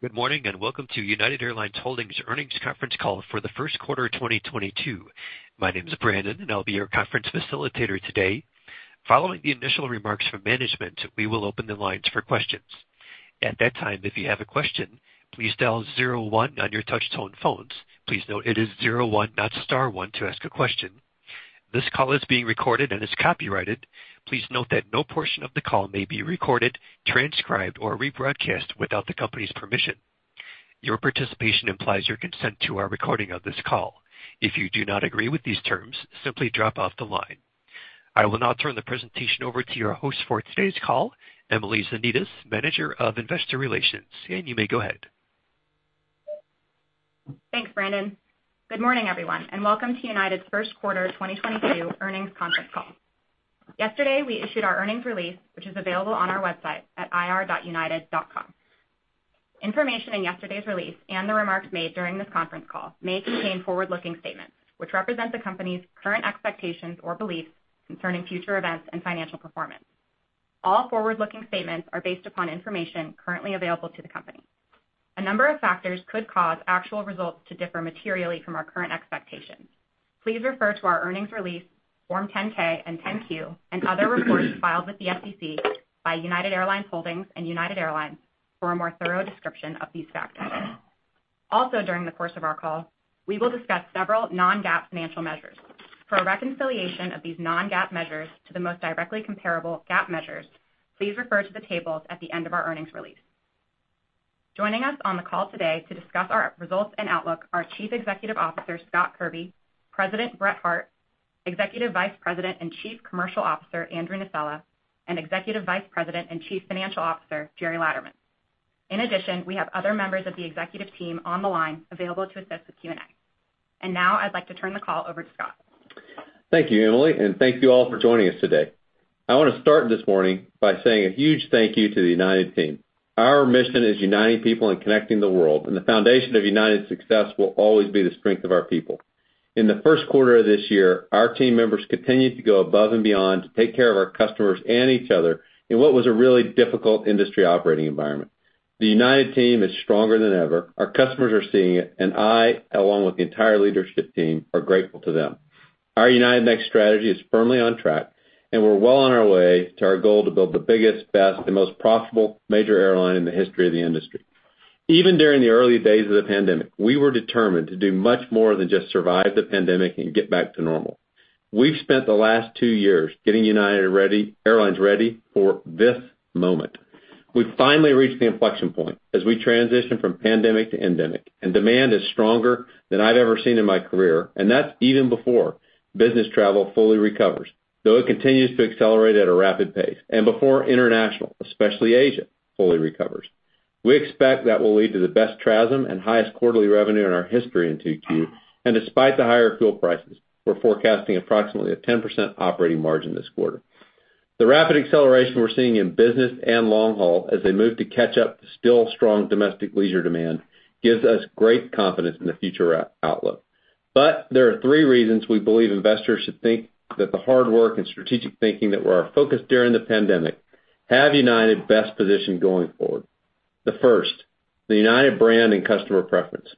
Good morning, and welcome to United Airlines Holdings Earnings Conference Call for the first quarter of 2022. My name is Brandon, and I'll be your conference facilitator today. Following the initial remarks from management, we will open the lines for questions. At that time, if you have a question, please dial zero one on your touch tone phones. Please note it is zero one, not star one to ask a question. This call is being recorded and is copyrighted. Please note that no portion of the call may be recorded, transcribed, or rebroadcast without the company's permission. Your participation implies your consent to our recording of this call. If you do not agree with these terms, simply drop off the line. I will now turn the presentation over to your host for today's call, Emily Zanetis, Manager of Investor Relations. You may go ahead. Thanks, Brandon. Good morning, everyone, and welcome to United's first quarter 2022 earnings conference call. Yesterday, we issued our earnings release, which is available on our website at ir.united.com. Information in yesterday's release and the remarks made during this conference call may contain forward-looking statements which represent the company's current expectations or beliefs concerning future events and financial performance. All forward-looking statements are based upon information currently available to the company. A number of factors could cause actual results to differ materially from our current expectations. Please refer to our earnings release, Form 10-K and 10-Q, and other reports filed with the SEC by United Airlines Holdings and United Airlines for a more thorough description of these factors. Also, during the course of our call, we will discuss several non-GAAP financial measures. For a reconciliation of these non-GAAP measures to the most directly comparable GAAP measures, please refer to the tables at the end of our earnings release. Joining us on the call today to discuss our results and outlook are Chief Executive Officer Scott Kirby, President Brett Hart, Executive Vice President and Chief Commercial Officer Andrew Nocella, and Executive Vice President and Chief Financial Officer Gerald Laderman. In addition, we have other members of the executive team on the line available to assist with Q&A. Now I'd like to turn the call over to Scott. Thank you, Emily, and thank you all for joining us today. I wanna start this morning by saying a huge thank you to the United team. Our mission is uniting people and connecting the world, and the foundation of United's success will always be the strength of our people. In the first quarter of this year, our team members continued to go above and beyond to take care of our customers and each other in what was a really difficult industry operating environment. The United team is stronger than ever. Our customers are seeing it, and I, along with the entire leadership team, are grateful to them. Our United Next strategy is firmly on track, and we're well on our way to our goal to build the biggest, best, and most profitable major airline in the history of the industry. Even during the early days of the pandemic, we were determined to do much more than just survive the pandemic and get back to normal. We've spent the last two years getting United Airlines ready for this moment. We've finally reached the inflection point as we transition from pandemic to endemic, and demand is stronger than I've ever seen in my career, and that's even before business travel fully recovers, though it continues to accelerate at a rapid pace, and before international, especially Asia, fully recovers. We expect that will lead to the best TRASM and highest quarterly revenue in our history in 2Q. Despite the higher fuel prices, we're forecasting approximately a 10% operating margin this quarter. The rapid acceleration we're seeing in business and long haul as they move to catch up to still strong domestic leisure demand gives us great confidence in the future outlook. There are three reasons we believe investors should think that the hard work and strategic thinking that were our focus during the pandemic have United best positioned going forward. The first, the United brand and customer preference.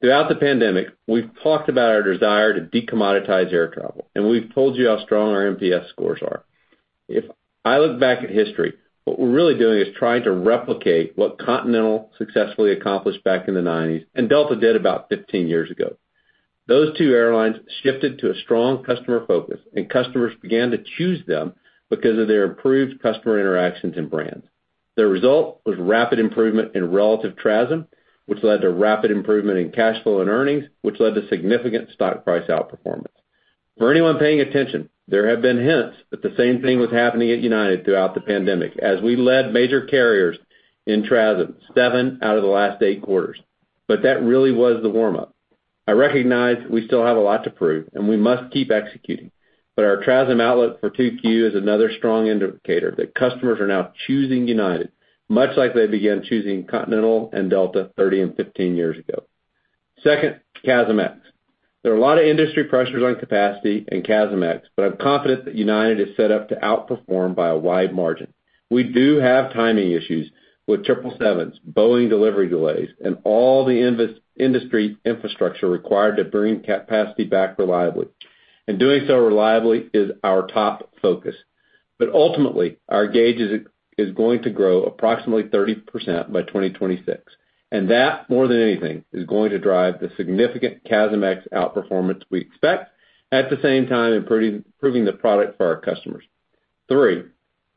Throughout the pandemic, we've talked about our desire to de-commoditize air travel, and we've told you how strong our NPS scores are. If I look back at history, what we're really doing is trying to replicate what Continental successfully accomplished back in the nineties and Delta did about 15 years ago. Those two airlines shifted to a strong customer focus, and customers began to choose them because of their improved customer interactions and brands. The result was rapid improvement in relative TRASM, which led to rapid improvement in cash flow and earnings, which led to significant stock price outperformance. For anyone paying attention, there have been hints that the same thing was happening at United throughout the pandemic as we led major carriers in TRASM seven out of the last eight quarters. That really was the warm-up. I recognize we still have a lot to prove, and we must keep executing, but our TRASM outlook for 2Q is another strong indicator that customers are now choosing United, much like they began choosing Continental and Delta 30 and 15 years ago. Second, CASM-ex. There are a lot of industry pressures on capacity and CASM-ex, but I'm confident that United is set up to outperform by a wide margin. We do have timing issues with triple sevens, Boeing delivery delays, and all the industry infrastructure required to bring capacity back reliably. Doing so reliably is our top focus. Ultimately, our gauge is going to grow approximately 30% by 2026, and that, more than anything, is going to drive the significant CASM-ex outperformance we expect at the same time improving the product for our customers. Three,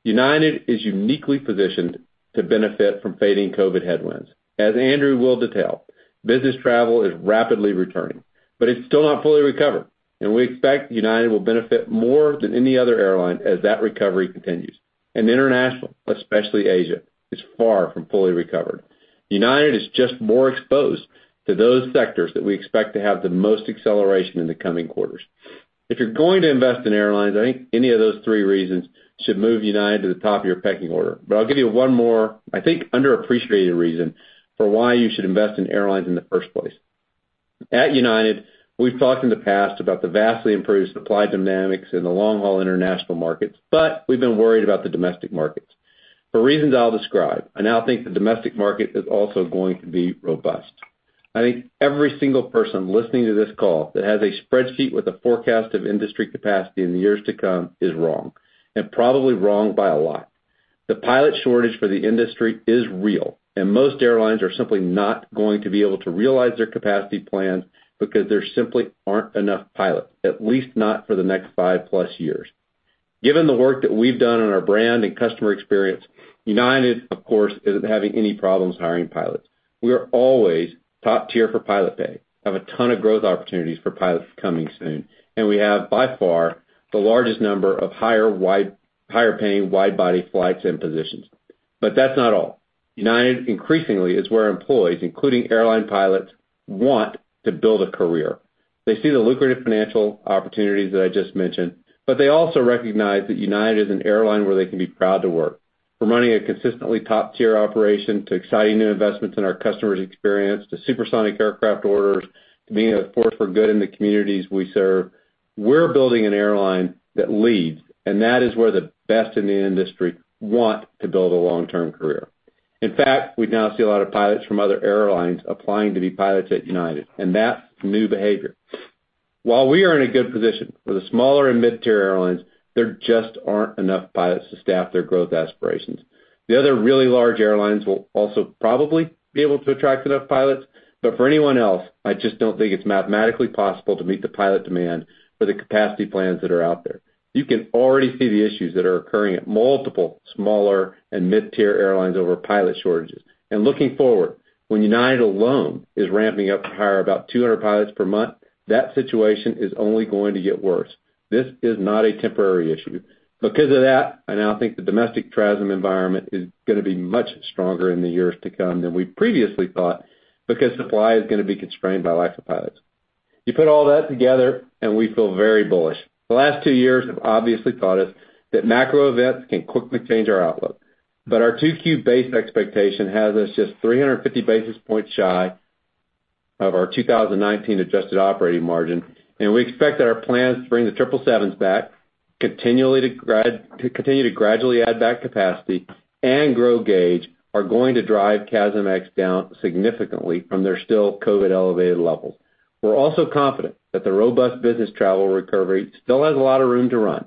United is uniquely positioned to benefit from fading COVID headwinds. As Andrew will detail, business travel is rapidly returning, but it's still not fully recovered, and we expect United will benefit more than any other airline as that recovery continues. International, especially Asia, is far from fully recovered. United is just more exposed to those sectors that we expect to have the most acceleration in the coming quarters. If you're going to invest in airlines, I think any of those three reasons should move United to the top of your pecking order. I'll give you one more, I think, underappreciated reason for why you should invest in airlines in the first place. At United, we've talked in the past about the vastly improved supply dynamics in the long-haul international markets, but we've been worried about the domestic markets. For reasons I'll describe, I now think the domestic market is also going to be robust. I think every single person listening to this call that has a spreadsheet with a forecast of industry capacity in the years to come is wrong, and probably wrong by a lot. The pilot shortage for the industry is real, and most airlines are simply not going to be able to realize their capacity plans because there simply aren't enough pilots, at least not for the next 5+ years. Given the work that we've done on our brand and customer experience, United, of course, isn't having any problems hiring pilots. We are always top tier for pilot pay, have a ton of growth opportunities for pilots coming soon, and we have, by far, the largest number of higher-paying wide-body flights and positions. That's not all. United increasingly is where employees, including airline pilots, want to build a career. They see the lucrative financial opportunities that I just mentioned, but they also recognize that United is an airline where they can be proud to work. We're running a consistently top-tier operation to exciting new investments in our customer's experience, to supersonic aircraft orders, to being a force for good in the communities we serve. We're building an airline that leads, and that is where the best in the industry want to build a long-term career. In fact, we now see a lot of pilots from other airlines applying to be pilots at United, and that's new behavior. While we are in a good position for the smaller and mid-tier airlines, there just aren't enough pilots to staff their growth aspirations. The other really large airlines will also probably be able to attract enough pilots, but for anyone else, I just don't think it's mathematically possible to meet the pilot demand for the capacity plans that are out there. You can already see the issues that are occurring at multiple smaller and mid-tier airlines over pilot shortages. Looking forward, when United alone is ramping up to hire about 200 pilots per month, that situation is only going to get worse. This is not a temporary issue. Because of that, I now think the domestic TRASM environment is gonna be much stronger in the years to come than we previously thought because supply is gonna be constrained by lack of pilots. You put all that together and we feel very bullish. The last two years have obviously taught us that macro events can quickly change our outlook. Our 2Q base expectation has us just 350 basis points shy of our 2019 adjusted operating margin, and we expect that our plans to bring the 777s back continually to continue to gradually add back capacity and grow gauge are going to drive CASM-ex down significantly from their still COVID-elevated levels. We're also confident that the robust business travel recovery still has a lot of room to run,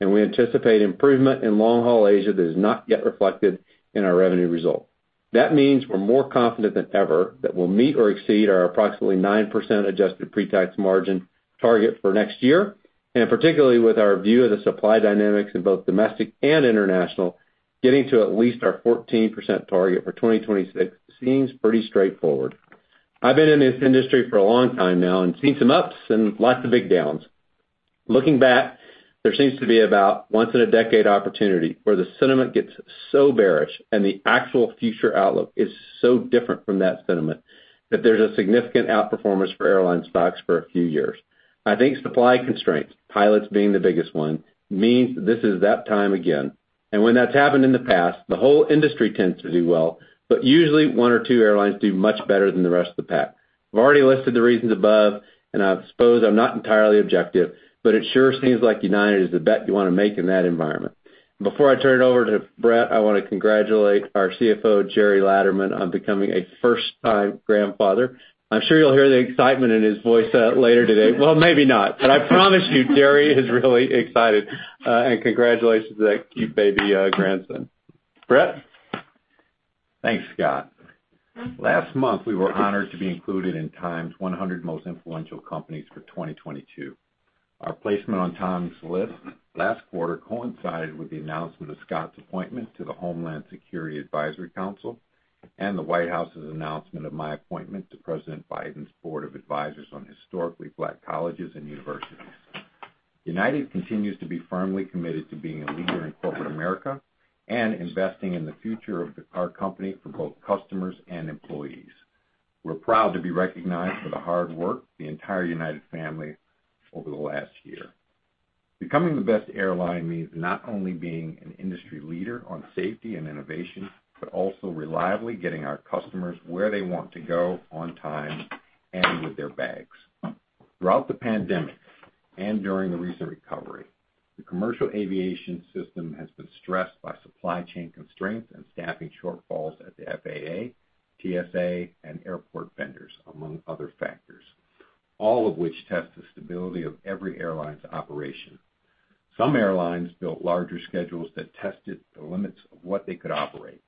and we anticipate improvement in long-haul Asia that is not yet reflected in our revenue results. That means we're more confident than ever that we'll meet or exceed our approximately 9% adjusted pre-tax margin target for next year, and particularly with our view of the supply dynamics in both domestic and international, getting to at least our 14% target for 2026 seems pretty straightforward. I've been in this industry for a long time now and seen some ups and lots of big downs. Looking back, there seems to be about once in a decade opportunity where the sentiment gets so bearish and the actual future outlook is so different from that sentiment that there's a significant outperformance for airline stocks for a few years. I think supply constraints, pilots being the biggest one, means this is that time again. When that's happened in the past, the whole industry tends to do well, but usually one or two airlines do much better than the rest of the pack. I've already listed the reasons above, and I suppose I'm not entirely objective, but it sure seems like United is the bet you wanna make in that environment. Before I turn it over to Brett, I wanna congratulate our CFO, Gerry Laderman, on becoming a first-time grandfather. I'm sure you'll hear the excitement in his voice later today. Well, maybe not, but I promise you Gerry is really excited. And congratulations to that cute baby, grandson. Brett? Thanks, Scott. Last month, we were honored to be included in Time's 100 most influential companies for 2022. Our placement on Time's list last quarter coincided with the announcement of Scott's appointment to the Homeland Security Advisory Council and the White House's announcement of my appointment to President Biden's Board of Advisors on Historically Black Colleges and Universities. United continues to be firmly committed to being a leader in corporate America and investing in the future of our company for both customers and employees. We're proud to be recognized for the hard work of the entire United family over the last year. Becoming the best airline means not only being an industry leader on safety and innovation, but also reliably getting our customers where they want to go on time and with their bags. Throughout the pandemic and during the recent recovery, the commercial aviation system has been stressed by supply chain constraints and staffing shortfalls at the FAA, TSA, and airport vendors, among other factors, all of which test the stability of every airline's operation. Some airlines built larger schedules that tested the limits of what they could operate,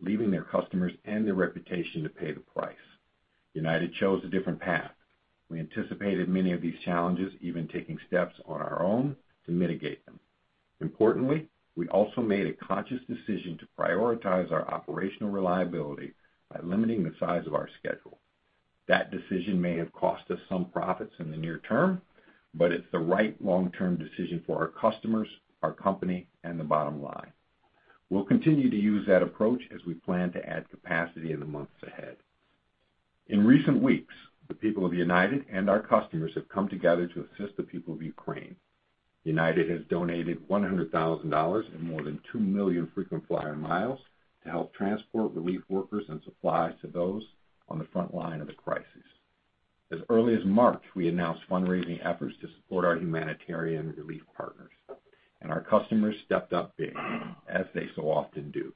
leaving their customers and their reputation to pay the price. United chose a different path. We anticipated many of these challenges, even taking steps on our own to mitigate them. Importantly, we also made a conscious decision to prioritize our operational reliability by limiting the size of our schedule. That decision may have cost us some profits in the near term, but it's the right long-term decision for our customers, our company, and the bottom line. We'll continue to use that approach as we plan to add capacity in the months ahead. In recent weeks, the people of United and our customers have come together to assist the people of Ukraine. United has donated $100,000 and more than two million frequent flyer miles to help transport relief workers and supplies to those on the front line of the crisis. As early as March, we announced fundraising efforts to support our humanitarian relief partners, and our customers stepped up big, as they so often do.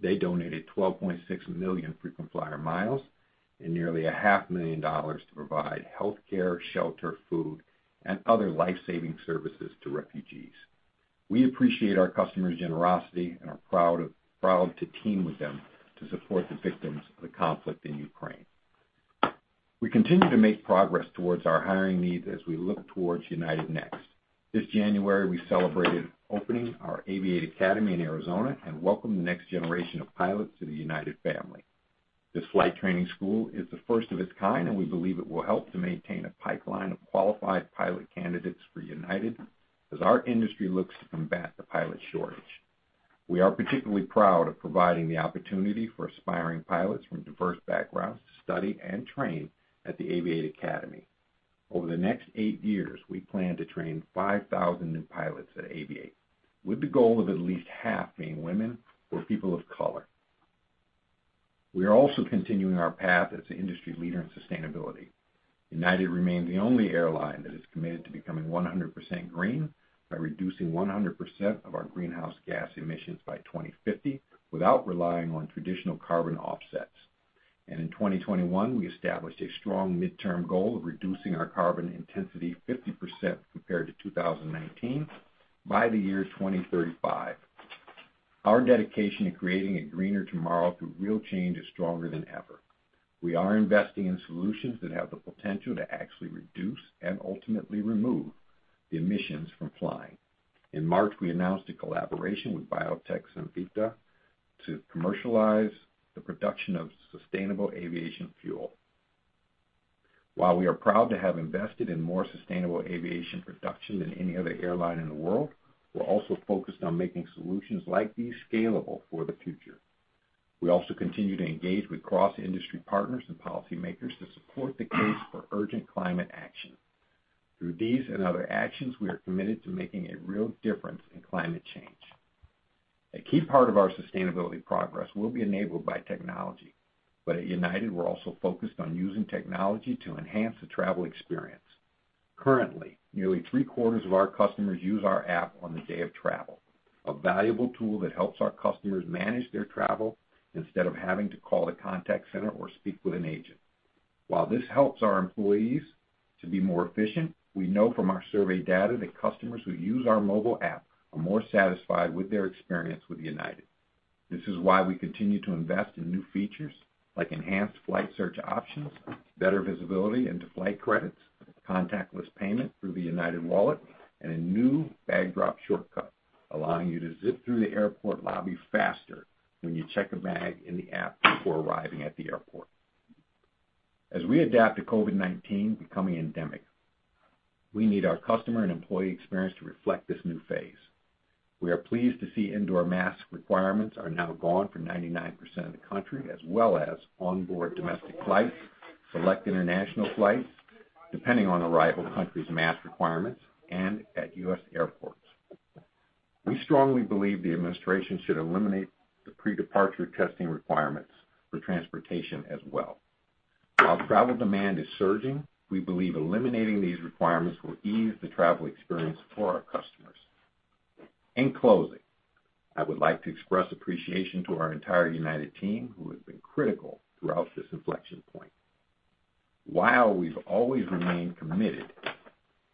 They donated 12.6 million frequent flyer miles and nearly a half million dollars to provide healthcare, shelter, food, and other life-saving services to refugees. We appreciate our customers' generosity and are proud to team with them to support the victims of the conflict in Ukraine. We continue to make progress towards our hiring needs as we look towards United Next. This January, we celebrated opening our Aviate Academy in Arizona and welcomed the next generation of pilots to the United family. This flight training school is the first of its kind, and we believe it will help to maintain a pipeline of qualified pilot candidates for United as our industry looks to combat the pilot shortage. We are particularly proud of providing the opportunity for aspiring pilots from diverse backgrounds to study and train at the Aviate Academy. Over the next eight years, we plan to train 5,000 new pilots at Aviate, with the goal of at least half being women or people of color. We are also continuing our path as the industry leader in sustainability. United remains the only airline that is committed to becoming 100% green by reducing 100% of our greenhouse gas emissions by 2050 without relying on traditional carbon offsets. In 2021, we established a strong midterm goal of reducing our carbon intensity 50% compared to 2019 by the year 2035. Our dedication to creating a greener tomorrow through real change is stronger than ever. We are investing in solutions that have the potential to actually reduce, and ultimately remove, the emissions from flying. In March, we announced a collaboration with biotech Cemvita Factory to commercialize the production of sustainable aviation fuel. While we are proud to have invested in more sustainable aviation production than any other airline in the world, we're also focused on making solutions like these scalable for the future. We also continue to engage with cross-industry partners and policymakers to support the case for urgent climate action. Through these and other actions, we are committed to making a real difference in climate change. A key part of our sustainability progress will be enabled by technology. At United, we're also focused on using technology to enhance the travel experience. Currently, nearly three-quarters of our customers use our app on the day of travel, a valuable tool that helps our customers manage their travel instead of having to call the contact center or speak with an agent. While this helps our employees to be more efficient, we know from our survey data that customers who use our mobile app are more satisfied with their experience with United. This is why we continue to invest in new features like enhanced flight search options, better visibility into flight credits, contactless payment through the United Wallet, and a new bag drop shortcut, allowing you to zip through the airport lobby faster when you check a bag in the app before arriving at the airport. As we adapt to COVID-19 becoming endemic, we need our customer and employee experience to reflect this new phase. We are pleased to see indoor mask requirements are now gone for 99% of the country as well as onboard domestic flights, select international flights, depending on arrival countries' mask requirements, and at U.S. airports. We strongly believe the administration should eliminate the pre-departure testing requirements for transportation as well. While travel demand is surging, we believe eliminating these requirements will ease the travel experience for our customers. In closing, I would like to express appreciation to our entire United team, who have been critical throughout this inflection point. While we've always remained committed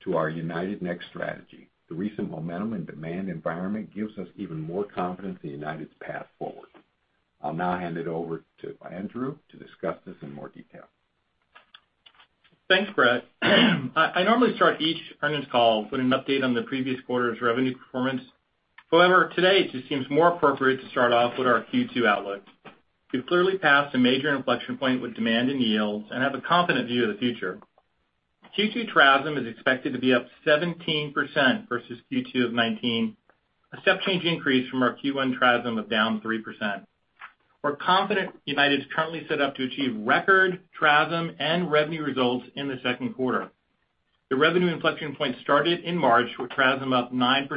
to our United Next strategy, the recent momentum and demand environment gives us even more confidence in United's path forward. I'll now hand it over to Andrew to discuss this in more detail. Thanks, Brett. I normally start each earnings call with an update on the previous quarter's revenue performance. However, today, it just seems more appropriate to start off with our Q2 outlook. We've clearly passed a major inflection point with demand and yields and have a confident view of the future. Q2 TRASM is expected to be up 17% versus Q2 of 2019, a step-change increase from our Q1 TRASM of down 3%. We're confident United is currently set up to achieve record TRASM and revenue results in the second quarter. The revenue inflection point started in March with TRASM up 9%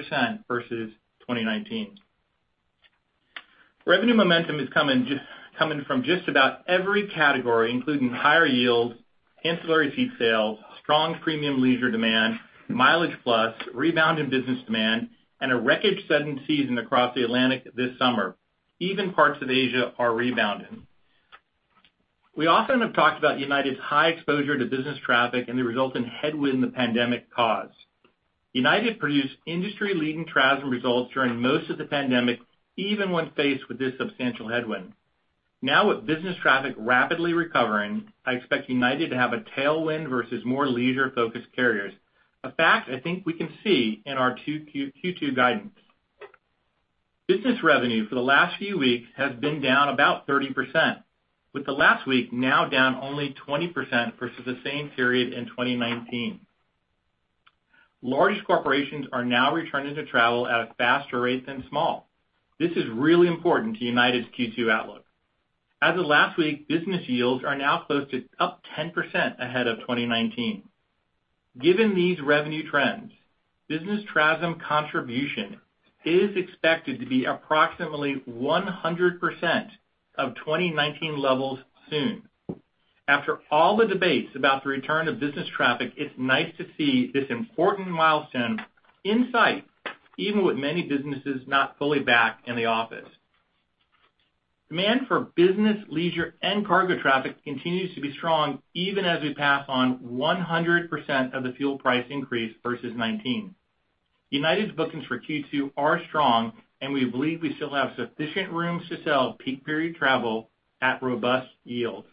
versus 2019. Revenue momentum is coming from just about every category, including higher yields, ancillary seat sales, strong premium leisure demand, MileagePlus, rebound in business demand, and a record-setting season across the Atlantic this summer. Even parts of Asia are rebounding. We often have talked about United's high exposure to business traffic and the resulting headwind the pandemic caused. United produced industry-leading TRASM results during most of the pandemic, even when faced with this substantial headwind. Now, with business traffic rapidly recovering, I expect United to have a tailwind versus more leisure-focused carriers. A fact I think we can see in our Q2 guidance. Business revenue for the last few weeks has been down about 30%, with the last week now down only 20% versus the same period in 2019. Large corporations are now returning to travel at a faster rate than small. This is really important to United's Q2 outlook. As of last week, business yields are now close to up 10% ahead of 2019. Given these revenue trends, business TRASM contribution is expected to be approximately 100% of 2019 levels soon. After all the debates about the return of business traffic, it's nice to see this important milestone in sight, even with many businesses not fully back in the office. Demand for business, leisure, and cargo traffic continues to be strong even as we pass on 100% of the fuel price increase versus 2019. United's bookings for Q2 are strong, and we believe we still have sufficient rooms to sell peak period travel at robust yields.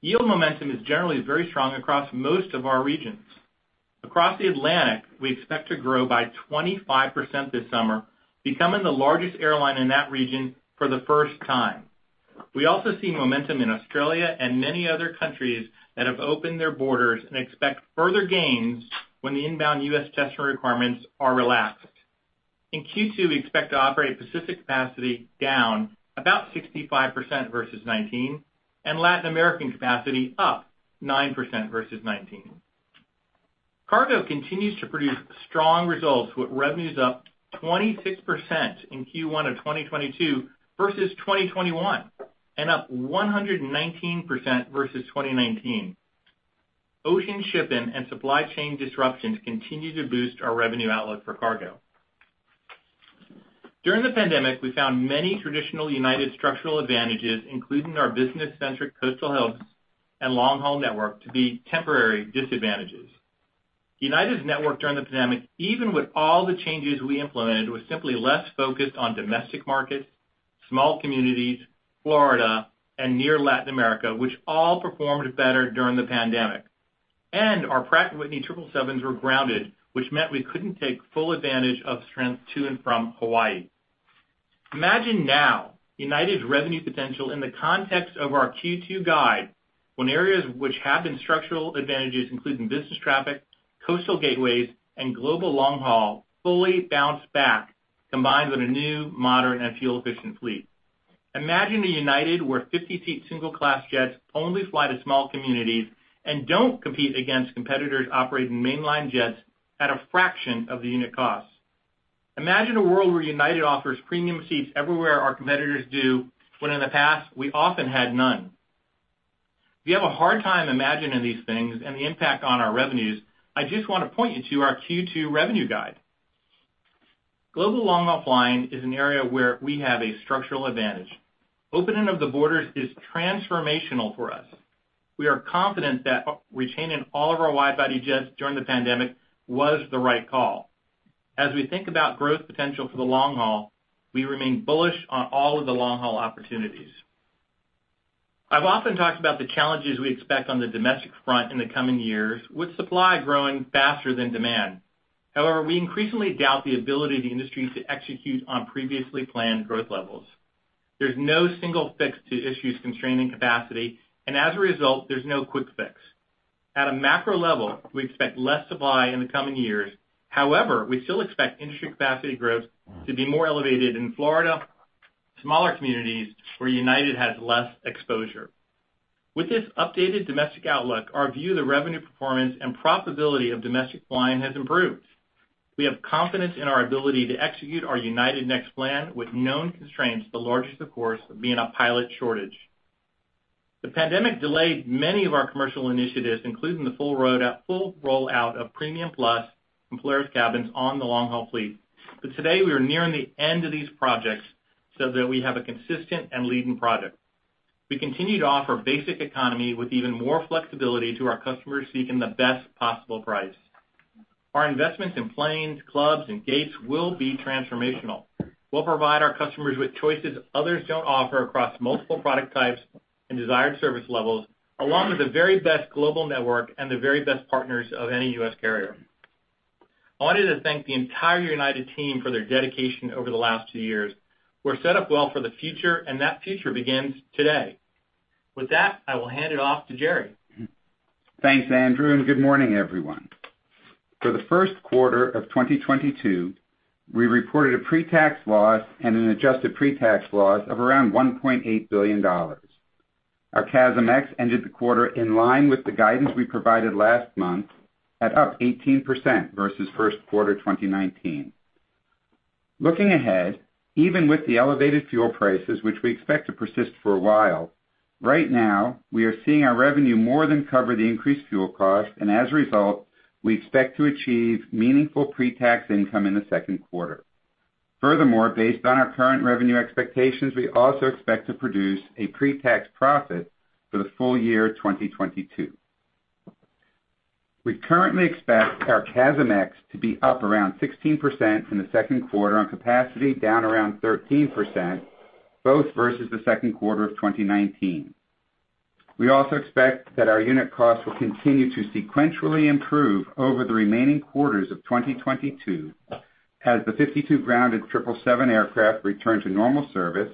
Yield momentum is generally very strong across most of our regions. Across the Atlantic, we expect to grow by 25% this summer, becoming the largest airline in that region for the first time. We also see momentum in Australia and many other countries that have opened their borders and expect further gains when the inbound U.S. testing requirements are relaxed. In Q2, we expect to operate Pacific capacity down about 65% versus 2019, and Latin American capacity up 9% versus 2019. Cargo continues to produce strong results with revenues up 26% in Q1 of 2022 versus 2021, and up 119% versus 2019. Ocean shipping and supply chain disruptions continue to boost our revenue outlook for cargo. During the pandemic, we found many traditional United structural advantages, including our business-centric coastal hubs and long-haul network to be temporary disadvantages. United's network during the pandemic, even with all the changes we implemented, was simply less focused on domestic markets, small communities, Florida, and near Latin America, which all performed better during the pandemic. Our Pratt & Whitney 777s were grounded, which meant we couldn't take full advantage of strength to and from Hawaii. Imagine now United's revenue potential in the context of our Q2 guide when areas which have been structural advantages, including business traffic, coastal gateways, and global long haul, fully bounce back, combined with a new, modern, and fuel-efficient fleet. Imagine a United where 50-seat single class jets only fly to small communities and don't compete against competitors operating mainline jets at a fraction of the unit cost. Imagine a world where United offers premium seats everywhere our competitors do when in the past we often had none. If you have a hard time imagining these things and the impact on our revenues, I just wanna point you to our Q2 revenue guide. Global long-haul flying is an area where we have a structural advantage. Opening of the borders is transformational for us. We are confident that retaining all of our wide-body jets during the pandemic was the right call. As we think about growth potential for the long haul, we remain bullish on all of the long-haul opportunities. I've often talked about the challenges we expect on the domestic front in the coming years with supply growing faster than demand. However, we increasingly doubt the ability of the industry to execute on previously planned growth levels. There's no single fix to issues constraining capacity, and as a result, there's no quick fix. At a macro level, we expect less supply in the coming years. However, we still expect industry capacity growth to be more elevated in Florida, smaller communities where United has less exposure. With this updated domestic outlook, our view of the revenue performance and profitability of domestic flying has improved. We have confidence in our ability to execute our United Next plan with known constraints, the largest, of course, being a pilot shortage. The pandemic delayed many of our commercial initiatives, including the full rollout of Premium Plus and Polaris cabins on the long-haul fleet. Today, we are nearing the end of these projects so that we have a consistent and leading product. We continue to offer Basic Economy with even more flexibility to our customers seeking the best possible price. Our investments in planes, clubs, and gates will be transformational, will provide our customers with choices others don't offer across multiple product types and desired service levels, along with the very best global network and the very best partners of any U.S. carrier. I wanted to thank the entire United team for their dedication over the last two years. We're set up well for the future, and that future begins today. With that, I will hand it off to Gerry. Thanks, Andrew, and good morning, everyone. For the first quarter of 2022, we reported a pre-tax loss and an adjusted pre-tax loss of around $1.8 billion. Our CASMx ended the quarter in line with the guidance we provided last month at up 18% versus first quarter 2019. Looking ahead, even with the elevated fuel prices, which we expect to persist for a while, right now, we are seeing our revenue more than cover the increased fuel cost, and as a result, we expect to achieve meaningful pre-tax income in the second quarter. Furthermore, based on our current revenue expectations, we also expect to produce a pre-tax profit for the full year 2022. We currently expect our CASMx to be up around 16% in the second quarter on capacity down around 13%, both versus the second quarter of 2019. We also expect that our unit costs will continue to sequentially improve over the remaining quarters of 2022 as the 52 grounded 777 aircraft return to normal service,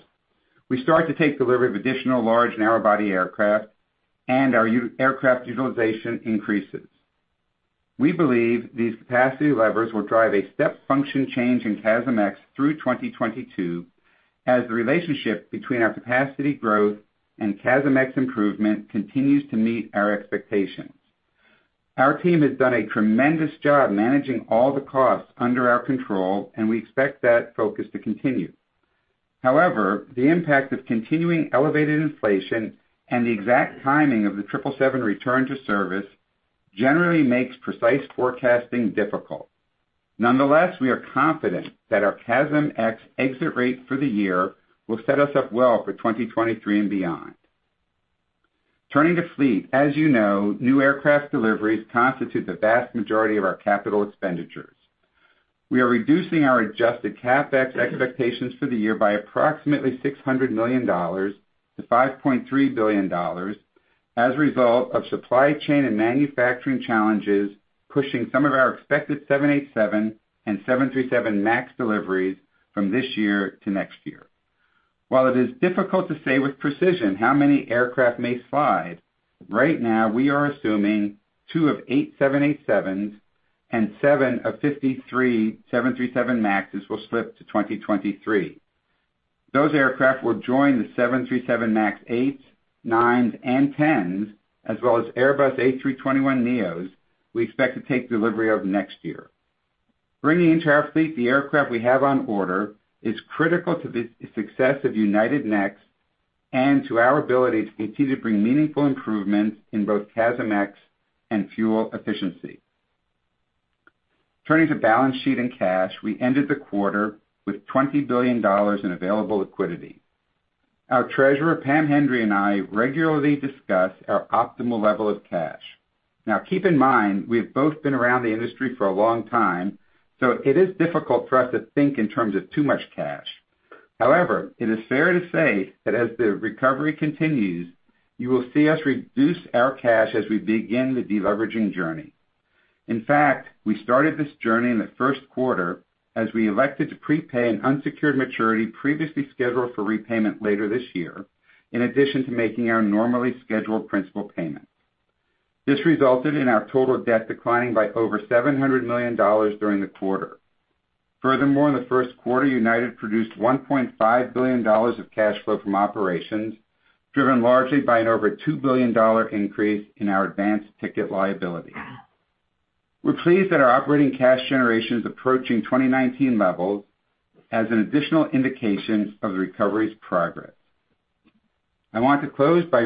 we start to take delivery of additional large narrow-body aircraft, and our UA aircraft utilization increases. We believe these capacity levers will drive a step function change in CASM-ex through 2022 as the relationship between our capacity growth and CASM-ex improvement continues to meet our expectations. Our team has done a tremendous job managing all the costs under our control, and we expect that focus to continue. However, the impact of continuing elevated inflation and the exact timing of the 777 return to service generally makes precise forecasting difficult. Nonetheless, we are confident that our CASM-ex exit rate for the year will set us up well for 2023 and beyond. Turning to fleet, as you know, new aircraft deliveries constitute the vast majority of our capital expenditures. We are reducing our adjusted CapEx expectations for the year by approximately $600 million to $5.3 billion as a result of supply chain and manufacturing challenges, pushing some of our expected 787 and 737 MAX deliveries from this year to next year. While it is difficult to say with precision how many aircraft may slide, right now we are assuming two 787s and seven of the 53 737 MAXes will slip to 2023. Those aircraft will join the 737 MAX 8s, 9s, and 10s, as well as Airbus A321neos we expect to take delivery of next year. Bringing into our fleet the aircraft we have on order is critical to the success of United Next and to our ability to continue to bring meaningful improvements in both CASM-ex and fuel efficiency. Turning to balance sheet and cash, we ended the quarter with $20 billion in available liquidity. Our treasurer, Pamela Hendry, and I regularly discuss our optimal level of cash. Now keep in mind, we've both been around the industry for a long time, so it is difficult for us to think in terms of too much cash. However, it is fair to say that as the recovery continues, you will see us reduce our cash as we begin the deleveraging journey. In fact, we started this journey in the first quarter as we elected to prepay an unsecured maturity previously scheduled for repayment later this year, in addition to making our normally scheduled principal payment. This resulted in our total debt declining by over $700 million during the quarter. Furthermore, in the first quarter, United produced $1.5 billion of cash flow from operations, driven largely by an over $2 billion increase in our advanced ticket liability. We're pleased that our operating cash generation is approaching 2019 levels as an additional indication of the recovery's progress. I want to close by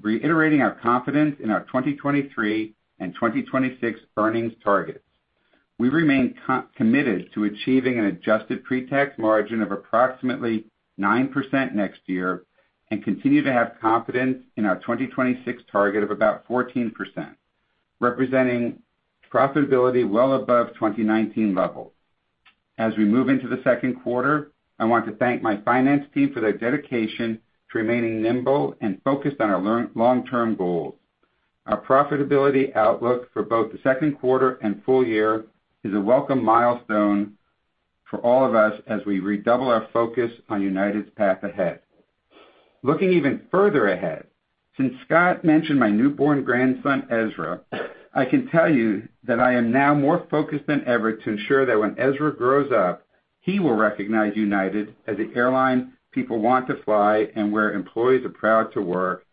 reiterating our confidence in our 2023 and 2026 earnings targets. We remain co-committed to achieving an adjusted pre-tax margin of approximately 9% next year and continue to have confidence in our 2026 target of about 14%, representing profitability well above 2019 levels. As we move into the second quarter, I want to thank my finance team for their dedication to remaining nimble and focused on our long-term goals. Our profitability outlook for both the second quarter and full year is a welcome milestone for all of us as we redouble our focus on United's path ahead. Looking even further ahead, since Scott mentioned my newborn grandson, Ezra, I can tell you that I am now more focused than ever to ensure that when Ezra grows up, he will recognize United as the airline people want to fly and where employees are proud to work,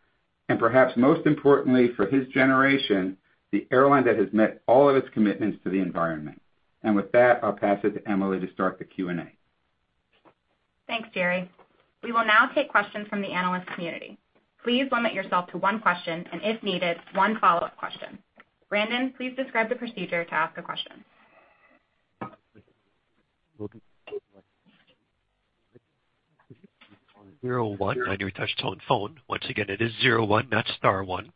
and perhaps most importantly for his generation, the airline that has met all of its commitments to the environment. With that, I'll pass it to Emily to start the Q&A. Thanks, Gerry. We will now take questions from the analyst community. Please limit yourself to one question, and if needed, one follow-up question. Brandon, please describe the procedure to ask a question. [inaudible] Zero one on your touchtone phone. Once again it is zero one not star one.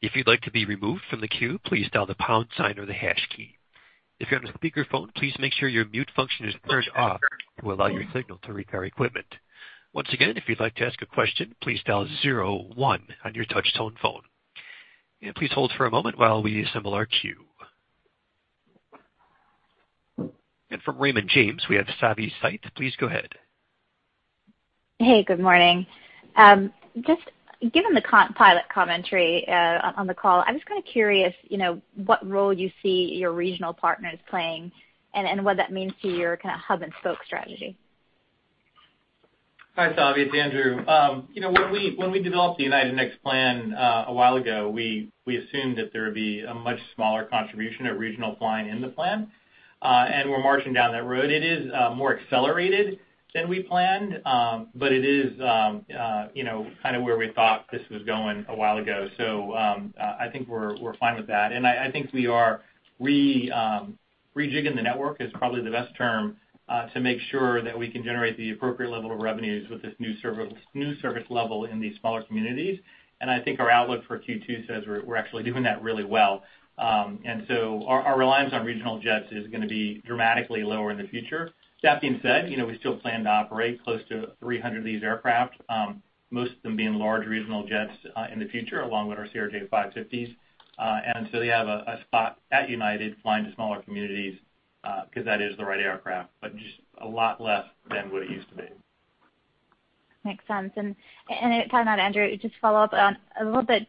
If you'd like to be removed from the queue please touch the pound sign or the hash key. If you're on speaker phone please make sure your mute function is turned off to allow your signal to our equipment. Once again if you'd like to ask a question please press zero one on your phone. Please hold for a moment while we assemble our queue. From Raymond James, we have Savanthi Syth. Please go ahead. Hey, good morning. Just given the pilot commentary on the call, I'm just kind of curious, you know, what role you see your regional partners playing and what that means to your kind of hub-and-spoke strategy. Hi, Savi. It's Andrew. You know, when we developed the United Next plan a while ago, we assumed that there would be a much smaller contribution of regional flying in the plan, and we're marching down that road. It is more accelerated than we planned, but it is, you know, kind of where we thought this was going a while ago. I think we're fine with that. I think we are rejigging the network is probably the best term to make sure that we can generate the appropriate level of revenues with this new service level in these smaller communities. I think our outlook for Q2 says we're actually doing that really well. Our reliance on regional jets is gonna be dramatically lower in the future. That being said, you know, we still plan to operate close to 300 of these aircraft, most of them being large regional jets, in the future, along with our CRJ 550s. They have a spot at United flying to smaller communities, because that is the right aircraft, but just a lot less than what it used to be. Makes sense. If I may, Andrew, just follow up on a little bit,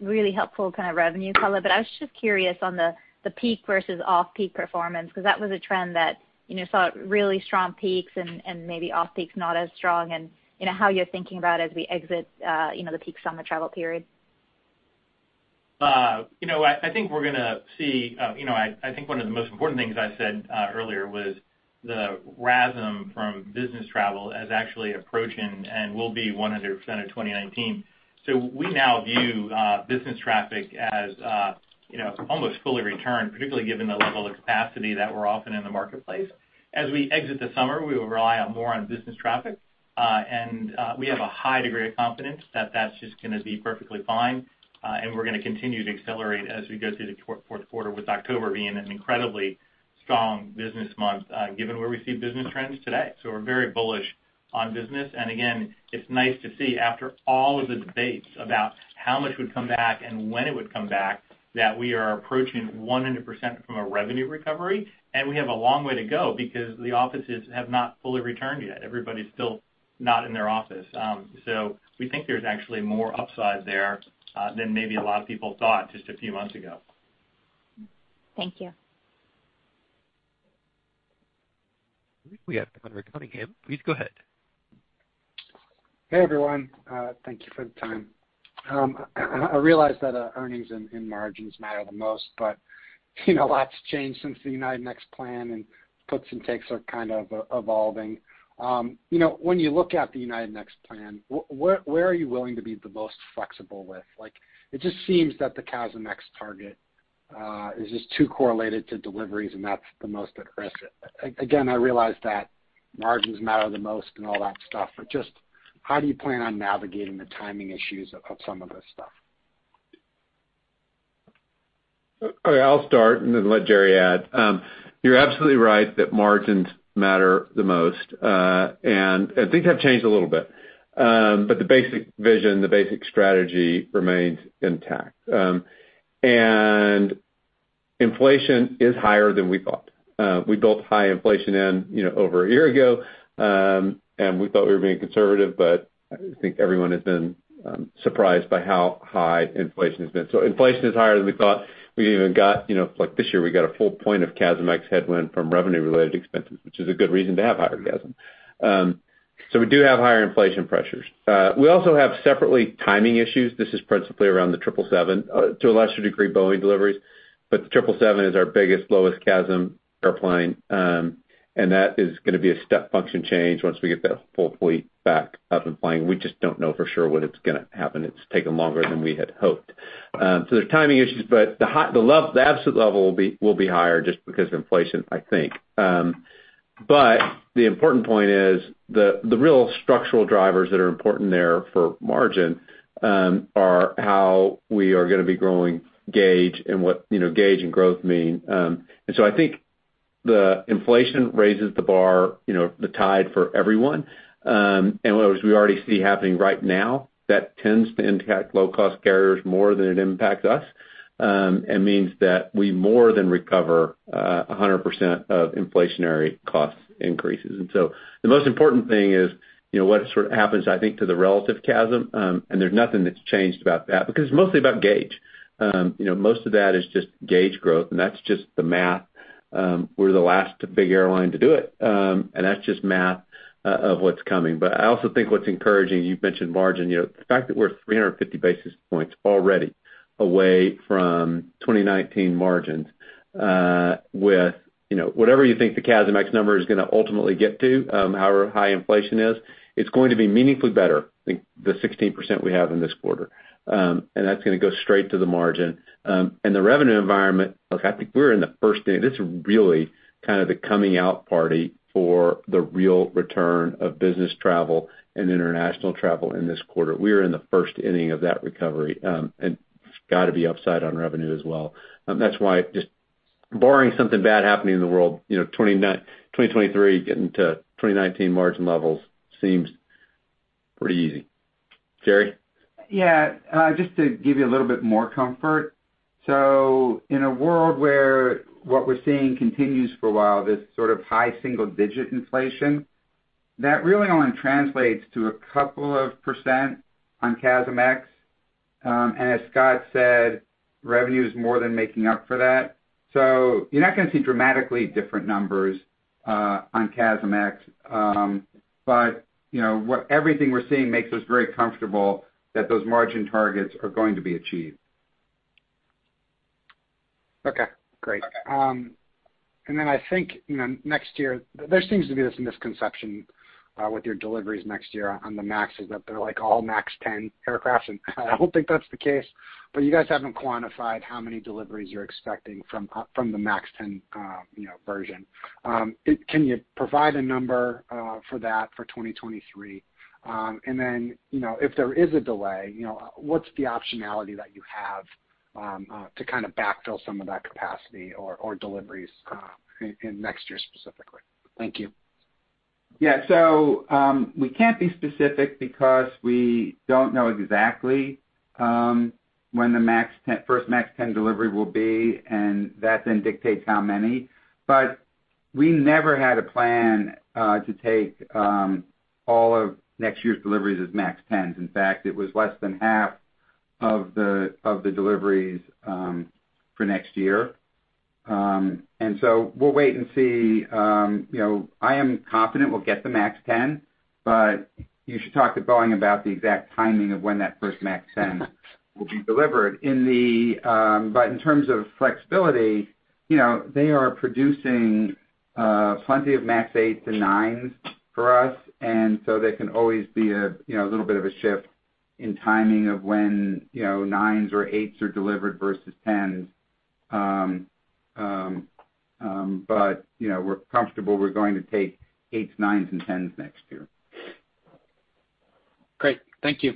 really helpful kind of revenue color, but I was just curious on the peak versus off-peak performance, 'cause that was a trend that, you know, saw really strong peaks and maybe off-peaks not as strong and, you know, how you're thinking about as we exit, you know, the peak summer travel period. You know, I think one of the most important things I said earlier was the RASM from business travel is actually approaching and will be 100% of 2019. We now view business traffic as you know, almost fully returned, particularly given the level of capacity that we're offering in the marketplace. As we exit the summer, we will rely more on business traffic. We have a high degree of confidence that that's just gonna be perfectly fine, and we're gonna continue to accelerate as we go through the fourth quarter, with October being an incredibly strong business month, given where we see business trends today. We're very bullish on business. Again, it's nice to see after all of the debates about how much would come back and when it would come back, that we are approaching 100% from a revenue recovery, and we have a long way to go because the offices have not fully returned yet. Everybody's still not in their office. We think there's actually more upside there than maybe a lot of people thought just a few months ago. Thank you. I think we have Conor Cunningham. Please go ahead. Hey, everyone. Thank you for the time. I realize that earnings and margins matter the most, but you know, a lot's changed since the United Next plan, and puts and takes are kind of evolving. You know, when you look at the United Next plan, where are you willing to be the most flexible with? Like, it just seems that the United Next target is just too correlated to deliveries, and that's the most at risk. Again, I realize that margins matter the most and all that stuff, but just how do you plan on navigating the timing issues of some of this stuff? Okay, I'll start and then let Gerry add. You're absolutely right that margins matter the most. Things have changed a little bit. The basic vision, the basic strategy remains intact. Inflation is higher than we thought. We built high inflation in, you know, over a year ago, and we thought we were being conservative, but I think everyone has been surprised by how high inflation has been. Inflation is higher than we thought. We even got, you know, like this year, we got a full point of CASM-ex headwind from revenue-related expenses, which is a good reason to have higher CASM. We do have higher inflation pressures. We also have separately timing issues. This is principally around the 777, to a lesser degree, Boeing deliveries. The triple seven is our biggest, lowest CASM airplane, and that is gonna be a step function change once we get that full fleet back up and flying. We just don't know for sure when it's gonna happen. It's taken longer than we had hoped. There's timing issues, but the absolute level will be higher just because of inflation, I think. The important point is the real structural drivers that are important there for margin are how we are gonna be growing gauge and what, you know, gauge and growth mean. I think the inflation raises the bar, you know, the tide for everyone. As we already see happening right now, that tends to impact low-cost carriers more than it impacts us, and means that we more than recover 100% of inflationary cost increases. The most important thing is, you know, what sort of happens, I think, to the relative CASM, and there's nothing that's changed about that because it's mostly about gauge. You know, most of that is just gauge growth, and that's just the math. We're the last big airline to do it, and that's just math of what's coming. I also think what's encouraging, you've mentioned margin, you know, the fact that we're 350 basis points already away from 2019 margins, with, you know, whatever you think the CASM-ex number is gonna ultimately get to, however high inflation is, it's going to be meaningfully better than the 16% we have in this quarter. That's gonna go straight to the margin. The revenue environment, look, I think we're in the first inning. This is really kind of the coming out party for the real return of business travel and international travel in this quarter. We are in the first inning of that recovery, and it's gotta be upside on revenue as well. That's why just barring something bad happening in the world, you know, 2023 getting to 2019 margin levels seems pretty easy. Gerry? Yeah. Just to give you a little bit more comfort. In a world where what we're seeing continues for a while, this sort of high single-digit inflation that really only translates to a couple of percent on CASM-ex. As Scott said, revenue is more than making up for that. You're not gonna see dramatically different numbers on CASM-ex. You know, everything we're seeing makes us very comfortable that those margin targets are going to be achieved. Okay, great. I think, you know, next year, there seems to be this misconception with your deliveries next year on the MAX, that they're like all MAX 10 aircraft, and I don't think that's the case, but you guys haven't quantified how many deliveries you're expecting from the MAX 10, you know, version. Can you provide a number for that for 2023? And then, you know, if there is a delay, you know, what's the optionality that you have to kind of backfill some of that capacity or deliveries in next year specifically? Thank you. Yeah. We can't be specific because we don't know exactly when the first MAX 10 delivery will be, and that then dictates how many. We never had a plan to take all of next year's deliveries as MAX 10s. In fact, it was less than half of the deliveries for next year. We'll wait and see. You know, I am confident we'll get the MAX 10, but you should talk to Boeing about the exact timing of when that first MAX 10 will be delivered. But in terms of flexibility, you know, they are producing plenty of MAX 8s and 9s for us, and so there can always be a you know, little bit of a shift in timing of when 9s or 8s are delivered versus 10s. You know, we're comfortable we're going to take 8s, 9s and 10s next year. Great. Thank you.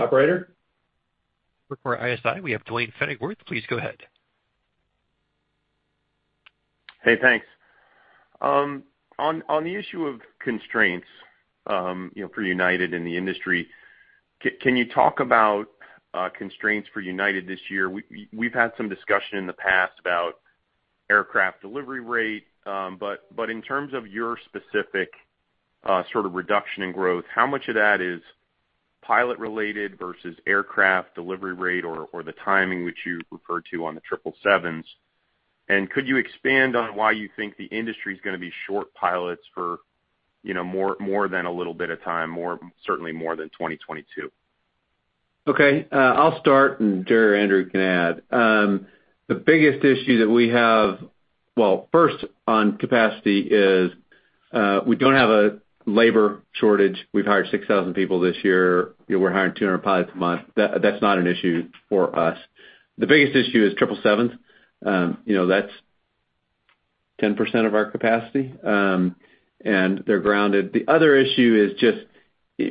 Operator? For ISI, we have Duane Pfennigwerth. Please go ahead. Hey, thanks. On the issue of constraints, you know, for United and the industry, can you talk about constraints for United this year? We've had some discussion in the past about aircraft delivery rate, but in terms of your specific sort of reduction in growth, how much of that is pilot related versus aircraft delivery rate or the timing which you referred to on the 777s? And could you expand on why you think the industry's gonna be short pilots for, you know, more than a little bit of time, certainly more than 2022? Okay. I'll start, and Gerry or Andrew can add. The biggest issue that we have. Well, first on capacity is, we don't have a labor shortage. We've hired 6,000 people this year. You know, we're hiring 200 pilots a month. That's not an issue for us. The biggest issue is 777. You know, that's 10% of our capacity, and they're grounded. The other issue is just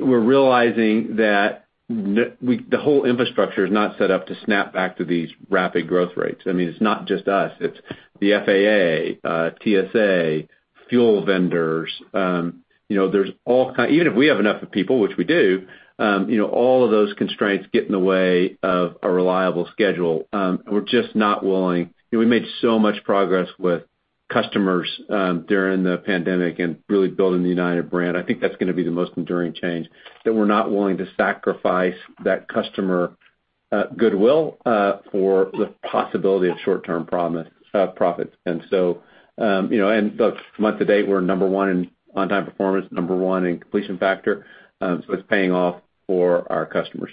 we're realizing that the whole infrastructure is not set up to snap back to these rapid growth rates. I mean, it's not just us, it's the FAA, TSA, fuel vendors. You know, even if we have enough people, which we do, you know, all of those constraints get in the way of a reliable schedule. And we're just not willing. You know, we made so much progress with customers during the pandemic and really building the United brand. I think that's gonna be the most enduring change, that we're not willing to sacrifice that customer goodwill for the possibility of short-term profits. You know, and look, month to date, we're number one in on-time performance, number one in completion factor, so it's paying off for our customers.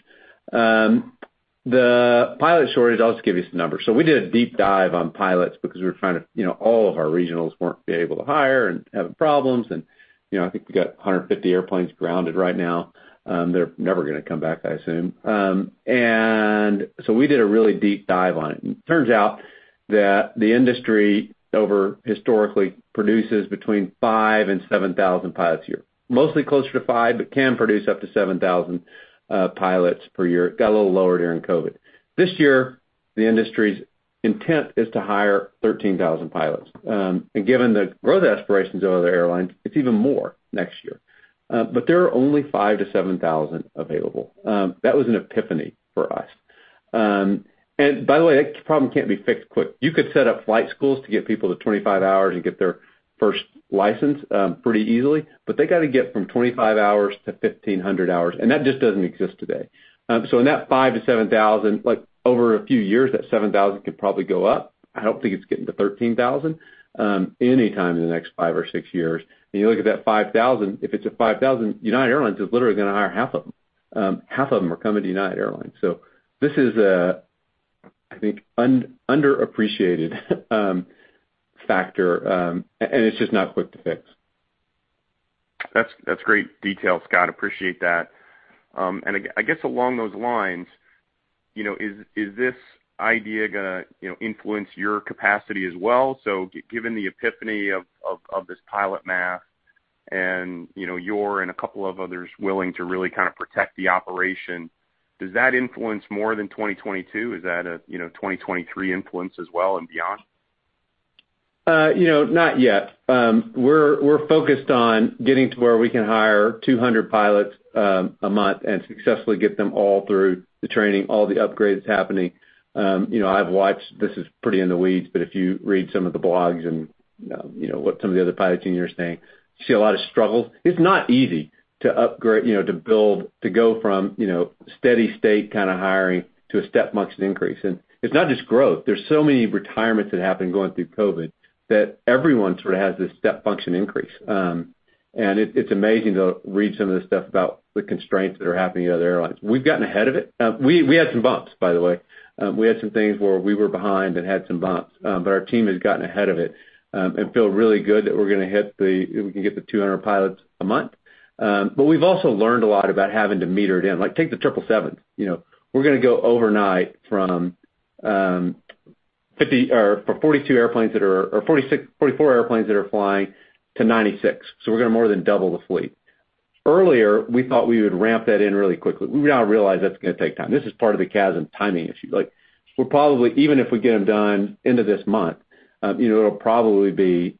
The pilot shortage, I'll just give you some numbers. We did a deep dive on pilots because we were trying to, you know, all of our regionals weren't able to hire and having problems and, you know, I think we got 150 airplanes grounded right now that are never gonna come back, I assume. We did a really deep dive on it. It turns out that the industry historically produces between 5,000 and 7,000 pilots a year, mostly closer to 5,000, but can produce up to 7,000 pilots per year. It got a little lower during COVID. This year, the industry's intent is to hire 13,000 pilots. Given the growth aspirations of other airlines, it's even more next year. There are only 5,000-7,000 available. That was an epiphany for us. By the way, that problem can't be fixed quick. You could set up flight schools to get people to 25 hours and get their first license, pretty easily, but they got to get from 25 hours-1,500 hours, and that just doesn't exist today. In that 5,000-7,000, like, over a few years, that 7,000 could probably go up. I don't think it's getting to 13,000 anytime in the next five or six years. You look at that 5,000, if it's a 5,000, United Airlines is literally gonna hire half of them. Half of them are coming to United Airlines. This is a, I think, underappreciated factor, and it's just not quick to fix. That's great detail, Scott. Appreciate that. I guess along those lines, you know, is this idea gonna, you know, influence your capacity as well? Given the epiphany of this pilot math and, you know, you and a couple of others willing to really kind of protect the operation, does that influence more than 2022? Is that a, you know, 2023 influence as well and beyond? You know, not yet. We're focused on getting to where we can hire 200 pilots a month and successfully get them all through the training, all the upgrades happening. You know, I've watched, this is pretty in the weeds, but if you read some of the blogs and, you know, what some of the other pilot seniors think, you see a lot of struggles. It's not easy to upgrade, you know, to build, to go from, you know, steady state kind of hiring to a step function increase. It's not just growth. There's so many retirements that happened going through COVID that everyone sort of has this step function increase. It's amazing to read some of the stuff about the constraints that are happening at other airlines. We've gotten ahead of it. We had some bumps, by the way. We had some things where we were behind and had some bumps. But our team has gotten ahead of it, and feel really good that we can get the 200 pilots a month. But we've also learned a lot about having to meter it in. Like, take the 777. You know, we're gonna go overnight from 44 airplanes that are flying to 96. So we're gonna more than double the fleet. Earlier, we thought we would ramp that in really quickly. We now realize that's gonna take time. This is part of the CASM timing issue. Like, we're probably, even if we get them done end of this month, you know, it'll probably be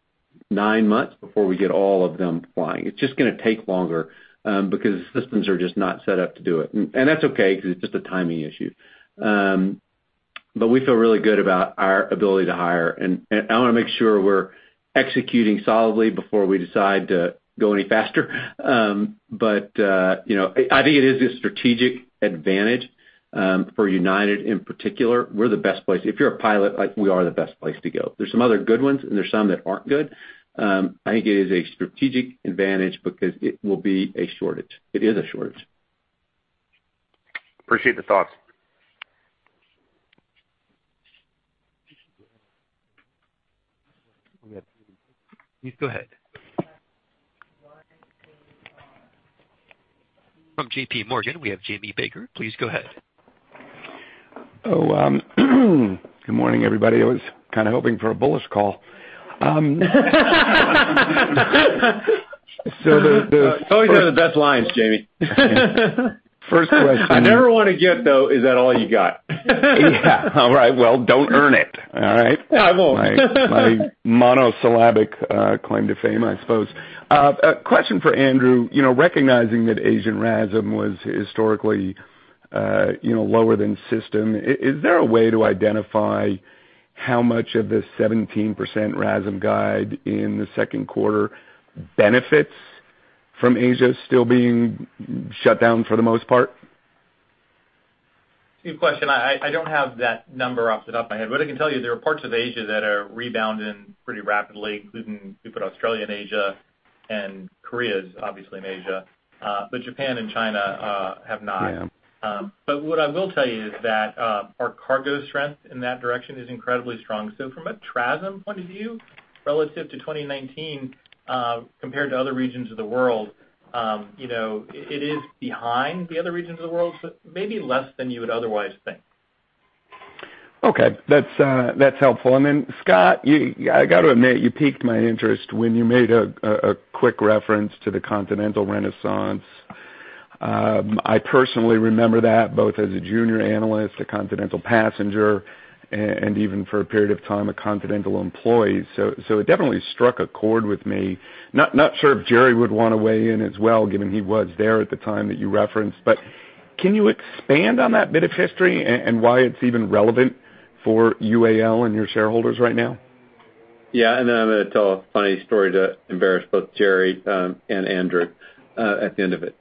nine months before we get all of them flying. It's just gonna take longer because systems are just not set up to do it. That's okay because it's just a timing issue. We feel really good about our ability to hire. I wanna make sure we're executing solidly before we decide to go any faster. You know, I think it is a strategic advantage for United in particular. We're the best place. If you're a pilot, like, we are the best place to go. There's some other good ones, and there's some that aren't good. I think it is a strategic advantage because it will be a shortage. It is a shortage. Appreciate the thoughts. Please go ahead. From JPMorgan, we have Jamie Baker. Please go ahead. Oh, good morning, everybody. I was kinda hoping for a bullish call. You always have the best lines, Jamie. First question. I never wanna get though, is that all you got? Yeah. All right, well, don't earn it, all right? I won't. My monosyllabic claim to fame, I suppose. A question for Andrew. You know, recognizing that Asian RASM was historically you know lower than system, is there a way to identify how much of the 17% RASM guide in the second quarter benefits from Asia still being shut down for the most part? Good question. I don't have that number off the top of my head. I can tell you there are parts of Asia that are rebounding pretty rapidly, including, we put Australia and Asia, and Korea is obviously in Asia. Japan and China have not. Yeah. What I will tell you is that our cargo strength in that direction is incredibly strong. From a TRASM point of view, relative to 2019, compared to other regions of the world, you know, it is behind the other regions of the world, but maybe less than you would otherwise think. Okay. That's helpful. Then, Scott, you piqued my interest when you made a quick reference to the Continental renaissance. I personally remember that both as a junior analyst, a Continental passenger, and even for a period of time, a Continental employee, so it definitely struck a chord with me. Not sure if Gerry would wanna weigh in as well, given he was there at the time that you referenced. Can you expand on that bit of history and why it's even relevant for UAL and your shareholders right now? Yeah, I'm gonna tell a funny story to embarrass both Gerry and Andrew at the end of it.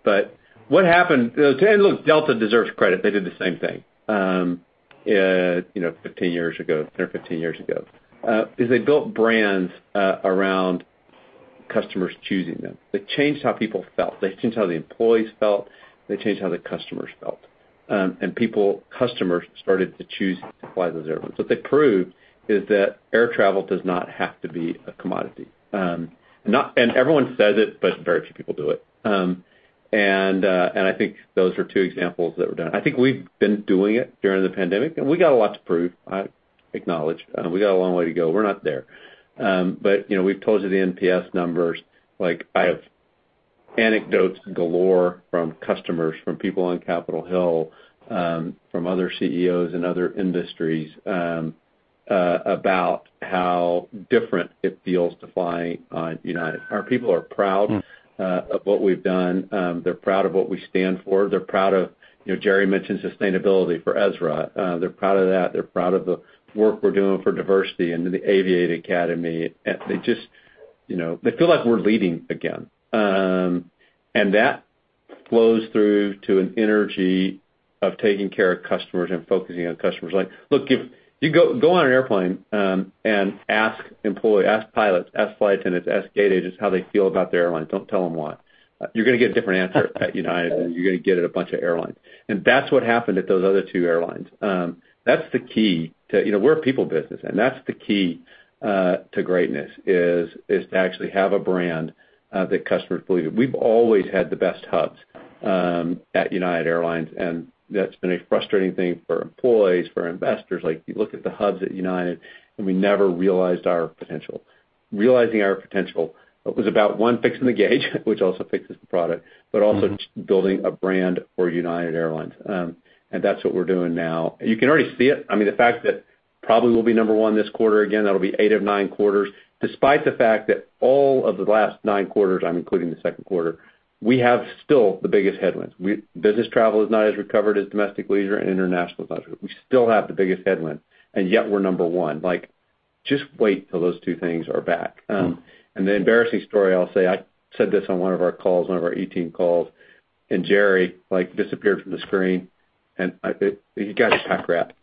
What happened, look, Delta deserves credit. They did the same thing you know 15 years ago, 10 or 15 years ago is they built brands around customers choosing them. They changed how people felt. They changed how the employees felt. They changed how the customers felt. People, customers started to choose to fly those airlines. What they proved is that air travel does not have to be a commodity. Everyone says it, but very few people do it. I think those are two examples that were done. I think we've been doing it during the pandemic, and we got a lot to prove, I acknowledge. We got a long way to go. We're not there. You know, we've told you the NPS numbers. Like, I have anecdotes galore from customers, from people on Capitol Hill, from other CEOs in other industries, about how different it feels to fly on United. Our people are proud- Mm. of what we've done. They're proud of what we stand for. They're proud of, you know, Gerry mentioned sustainability for Ezra. They're proud of that. They're proud of the work we're doing for diversity and in the Aviate Academy. They just, you know, they feel like we're leading again. That flows through to an energy of taking care of customers and focusing on customers. Like, look, if you go on an airplane and ask employee, ask pilots, ask flight attendants, ask gate agents how they feel about their airline. Don't tell them why. You're gonna get a different answer at United than you're gonna get at a bunch of airlines. That's what happened at those other two airlines. That's the key to... You know, we're a people business, and that's the key to greatness, is to actually have a brand that customers believe in. We've always had the best hubs at United Airlines, and that's been a frustrating thing for employees, for investors. Like, you look at the hubs at United, and we never realized our potential. Realizing our potential was about, one, fixing the gauge, which also fixes the product, but also building a brand for United Airlines. And that's what we're doing now. You can already see it. I mean, the fact that probably we'll be number one this quarter again, that'll be eight of nine quarters, despite the fact that all of the last nine quarters, I'm including the second quarter, we have still the biggest headwinds. Business travel is not as recovered as domestic leisure and international travel. We still have the biggest headwind, and yet we're number one. Like, just wait till those two things are back. The embarrassing story I'll say, I said this on one of our calls, one of our E-team calls, and Gerry, like, disappeared from the screen. He got his bag packed.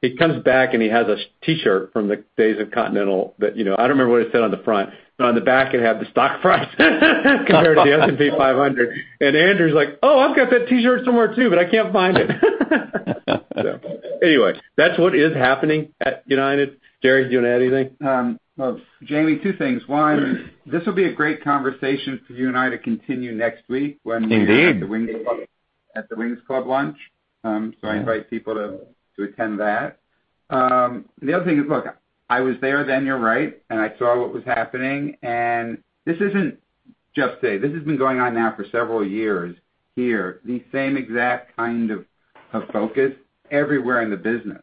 He comes back, and he has a T-shirt from the days of Continental that, you know, I don't remember what it said on the front, but on the back it had the stock price compared to the S&P 500. Andrew's like, oh, I've got that T-shirt somewhere too, but I can't find it. Anyway, that's what is happening at United. Gerry, do you wanna add anything? Jamie, two things. One, this will be a great conversation for you and I to continue next week when we Indeed. have the earnings call. At The Wings Club lunch. I invite people to attend that. The other thing is, look, I was there then, you're right, and I saw what was happening, and this isn't just today. This has been going on now for several years here, the same exact kind of focus everywhere in the business.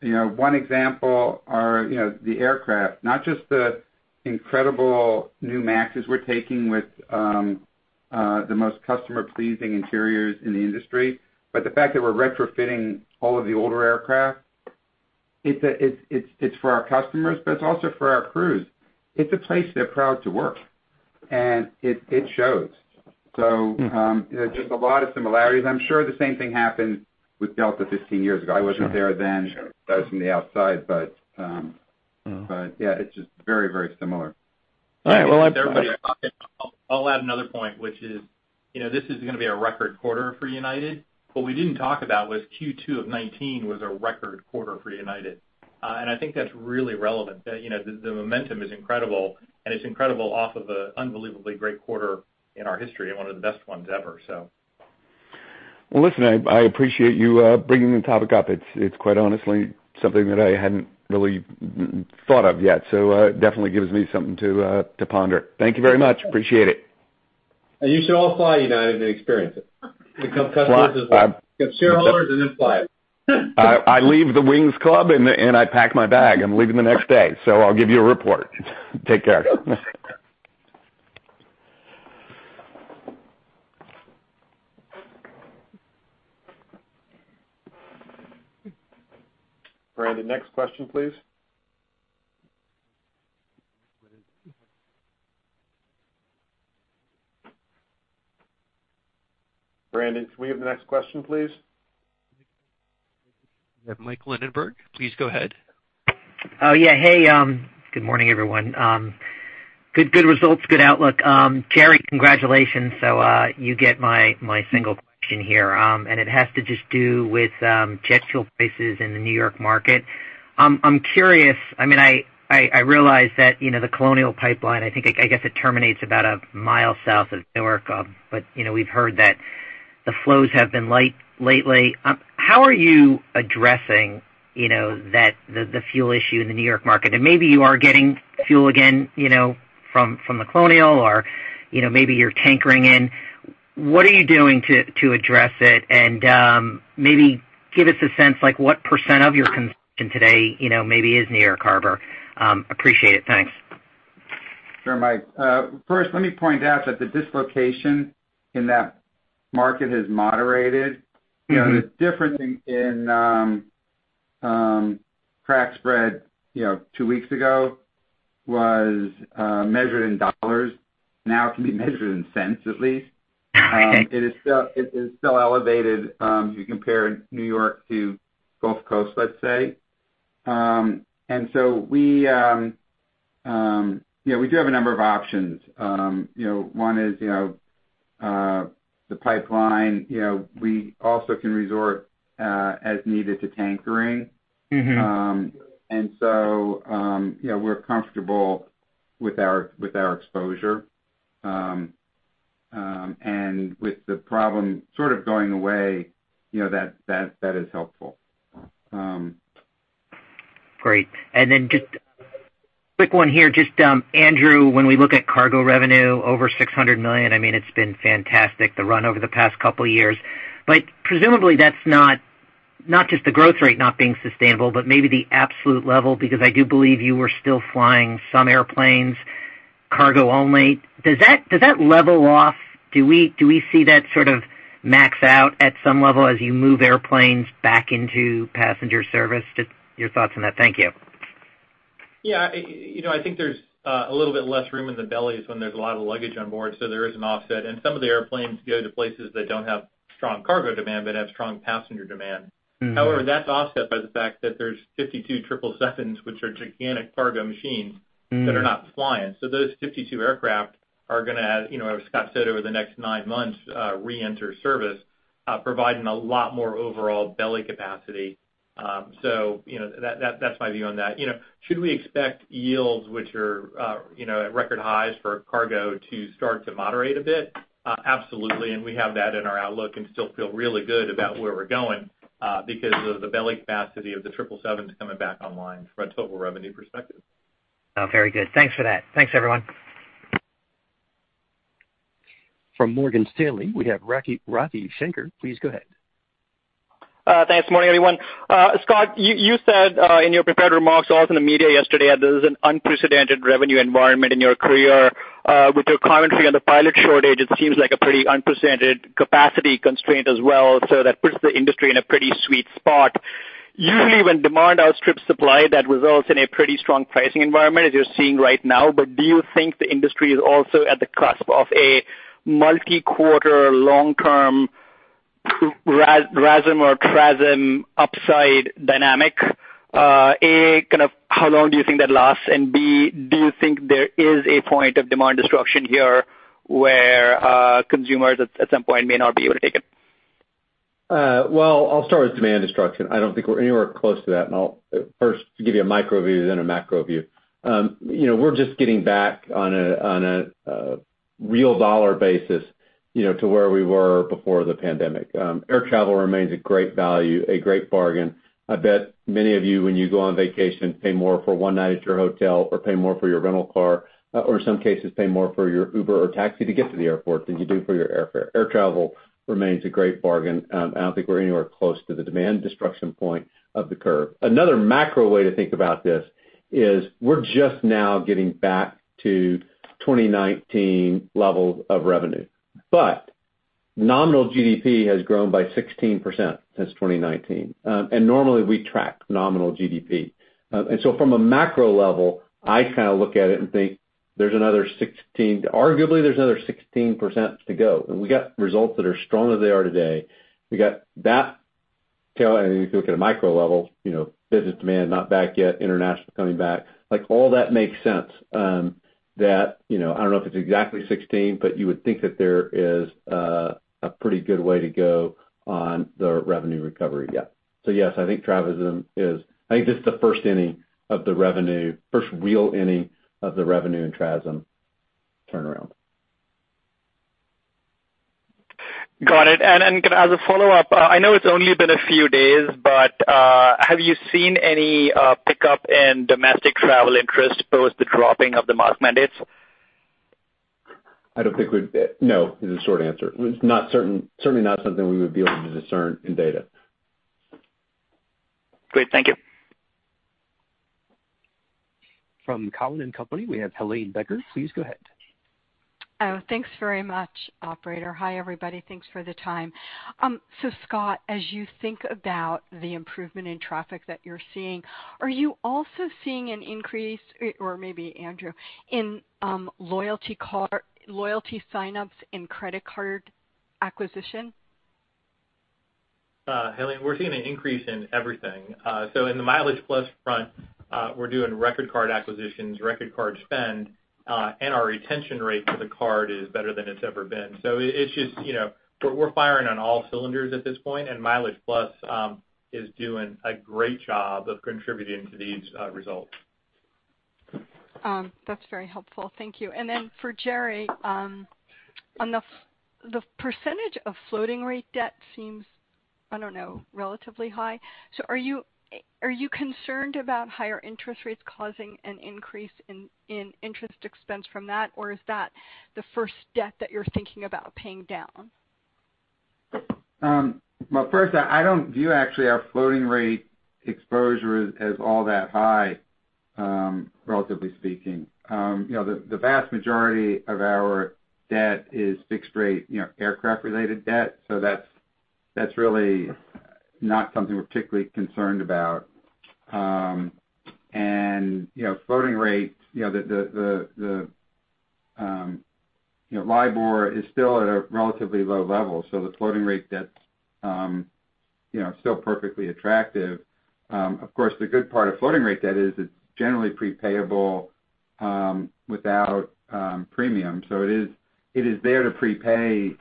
You know, one example are you know the aircraft, not just the incredible new MAXs we're taking with the most customer-pleasing interiors in the industry, but the fact that we're retrofitting all of the older aircraft, it's for our customers, but it's also for our crews. It's a place they're proud to work, and it shows. Just a lot of similarities. I'm sure the same thing happened with Delta 15 years ago. I wasn't there then. I was from the outside. It's just very, very similar. All right. Well, I'll add another point, which is, you know, this is gonna be a record quarter for United. What we didn't talk about was Q2 of 2019 was a record quarter for United. I think that's really relevant, that, you know, the momentum is incredible, and it's incredible off of a unbelievably great quarter in our history and one of the best ones ever, so. Well, listen, I appreciate you bringing the topic up. It's quite honestly something that I hadn't really thought of yet, so it definitely gives me something to ponder. Thank you very much. Appreciate it. You should all fly United and experience it. Become customers as well. Become shareholders and then fly. I leave the Wings Club, and I pack my bag. I'm leaving the next day, so I'll give you a report. Take care. Brandon, next question, please. Brandon, can we have the next question, please? We have Michael Linenberg. Please go ahead. Oh, yeah. Hey, good morning, everyone. Good results, good outlook. Gerry, congratulations. You get my single question here, and it has to just do with jet fuel prices in the New York market. I'm curious. I mean, I realize that, you know, the Colonial Pipeline, I think, I guess it terminates about a mile south of Newark. You know, we've heard that the flows have been light lately. How are you addressing, you know, that the fuel issue in the New York market? And maybe you are getting fuel again, you know, from the Colonial or, you know, maybe you're tankering in. What are you doing to address it? And maybe give us a sense like what percent of your consumption today, you know, maybe is NY Harbor. Appreciate it. Thanks. Sure, Mike. First, let me point out that the dislocation in that market has moderated. You know, the difference in crack spread, you know, two weeks ago was measured in dollars. Now it can be measured in cents at least. Okay. It is still elevated, if you compare New York to Gulf Coast, let's say. Yeah, we do have a number of options. You know, one is, you know, the pipeline. You know, we also can resort, as needed, to tankering. Mm-hmm. You know, we're comfortable with our exposure. With the problem sort of going away, you know, that is helpful. Great. Just quick one here. Just, Andrew, when we look at cargo revenue over $600 million, I mean, it's been fantastic the run over the past couple years. Presumably, that's not just the growth rate not being sustainable, but maybe the absolute level, because I do believe you were still flying some airplanes cargo only. Does that level off? Do we see that sort of max out at some level as you move airplanes back into passenger service? Just your thoughts on that. Thank you. Yeah. You know, I think there's a little bit less room in the bellies when there's a lot of luggage on board, so there is an offset. Some of the airplanes go to places that don't have strong cargo demand but have strong passenger demand. Mm-hmm. However, that's offset by the fact that there's 52 777s, which are gigantic cargo machines. Mm. That are not flying. Those 52 aircraft are gonna, you know, as Scott said, over the next nine months, reenter service, providing a lot more overall belly capacity. You know, that's my view on that. You know, should we expect yields which are, you know, at record highs for cargo to start to moderate a bit? Absolutely, and we have that in our outlook and still feel really good about where we're going, because of the belly capacity of the 777s coming back online from a total revenue perspective. Oh, very good. Thanks for that. Thanks, everyone. From Morgan Stanley, we have Ravi Shanker. Please go ahead. Thanks, morning, everyone. Scott, you said in your prepared remarks, also in the media yesterday that this is an unprecedented revenue environment in your career. With your commentary on the pilot shortage, it seems like a pretty unprecedented capacity constraint as well, so that puts the industry in a pretty sweet spot. Usually, when demand outstrips supply, that results in a pretty strong pricing environment as you're seeing right now. Do you think the industry is also at the cusp of a multi-quarter long-term RASM or TRASM upside dynamic? A, kind of how long do you think that lasts? B, do you think there is a point of demand destruction here where consumers at some point may not be able to take it? Well, I'll start with demand destruction. I don't think we're anywhere close to that. I'll first give you a micro view then a macro view. You know, we're just getting back on a real dollar basis, you know, to where we were before the pandemic. Air travel remains a great value, a great bargain. I bet many of you, when you go on vacation, pay more for one night at your hotel or pay more for your rental car, or in some cases, pay more for your Uber or taxi to get to the airport than you do for your airfare. Air travel remains a great bargain, and I don't think we're anywhere close to the demand destruction point of the curve. Another macro way to think about this is we're just now getting back to 2019 levels of revenue. Nominal GDP has grown by 16% since 2019, and normally we track nominal GDP. From a macro level, I kind of look at it and think arguably, there's another 16% to go, and we got results that are strong as they are today. We got that tail and if you look at a micro level, you know, business demand not back yet, international coming back, like, all that makes sense, you know, I don't know if it's exactly 16, but you would think that there is a pretty good way to go on the revenue recovery yet. Yes, I think TRASM is. I think this is the first inning of the revenue, first real inning of the revenue and TRASM turnaround. Got it. As a follow-up, I know it's only been a few days, but have you seen any pickup in domestic travel interest post the dropping of the mask mandates? I don't think...No is the short answer. It's not certain, certainly not something we would be able to discern in data. Great. Thank you. From Cowen & Company, we have Helane Becker. Please go ahead. Oh, thanks very much, operator. Hi, everybody. Thanks for the time. Scott, as you think about the improvement in traffic that you're seeing, are you also seeing an increase, or maybe Andrew, in loyalty sign-ups in credit card acquisition? Helene, we're seeing an increase in everything. In the MileagePlus front, we're doing record card acquisitions, record card spend, and our retention rate for the card is better than it's ever been. It's just, you know, we're firing on all cylinders at this point, and MileagePlus is doing a great job of contributing to these results. That's very helpful. Thank you. Then for Gerry, on the percentage of floating rate debt seems, I don't know, relatively high. Are you concerned about higher interest rates causing an increase in interest expense from that, or is that the first debt that you're thinking about paying down? Well, first, I don't view actually our floating rate exposure as all that high, relatively speaking. You know, the vast majority of our debt is fixed rate, you know, aircraft-related debt. That's really not something we're particularly concerned about. You know, floating rate, you know, the LIBOR is still at a relatively low level, so the floating rate debt's, you know, still perfectly attractive. Of course, the good part of floating rate debt is it's generally prepayable without premium. It is there to prepay,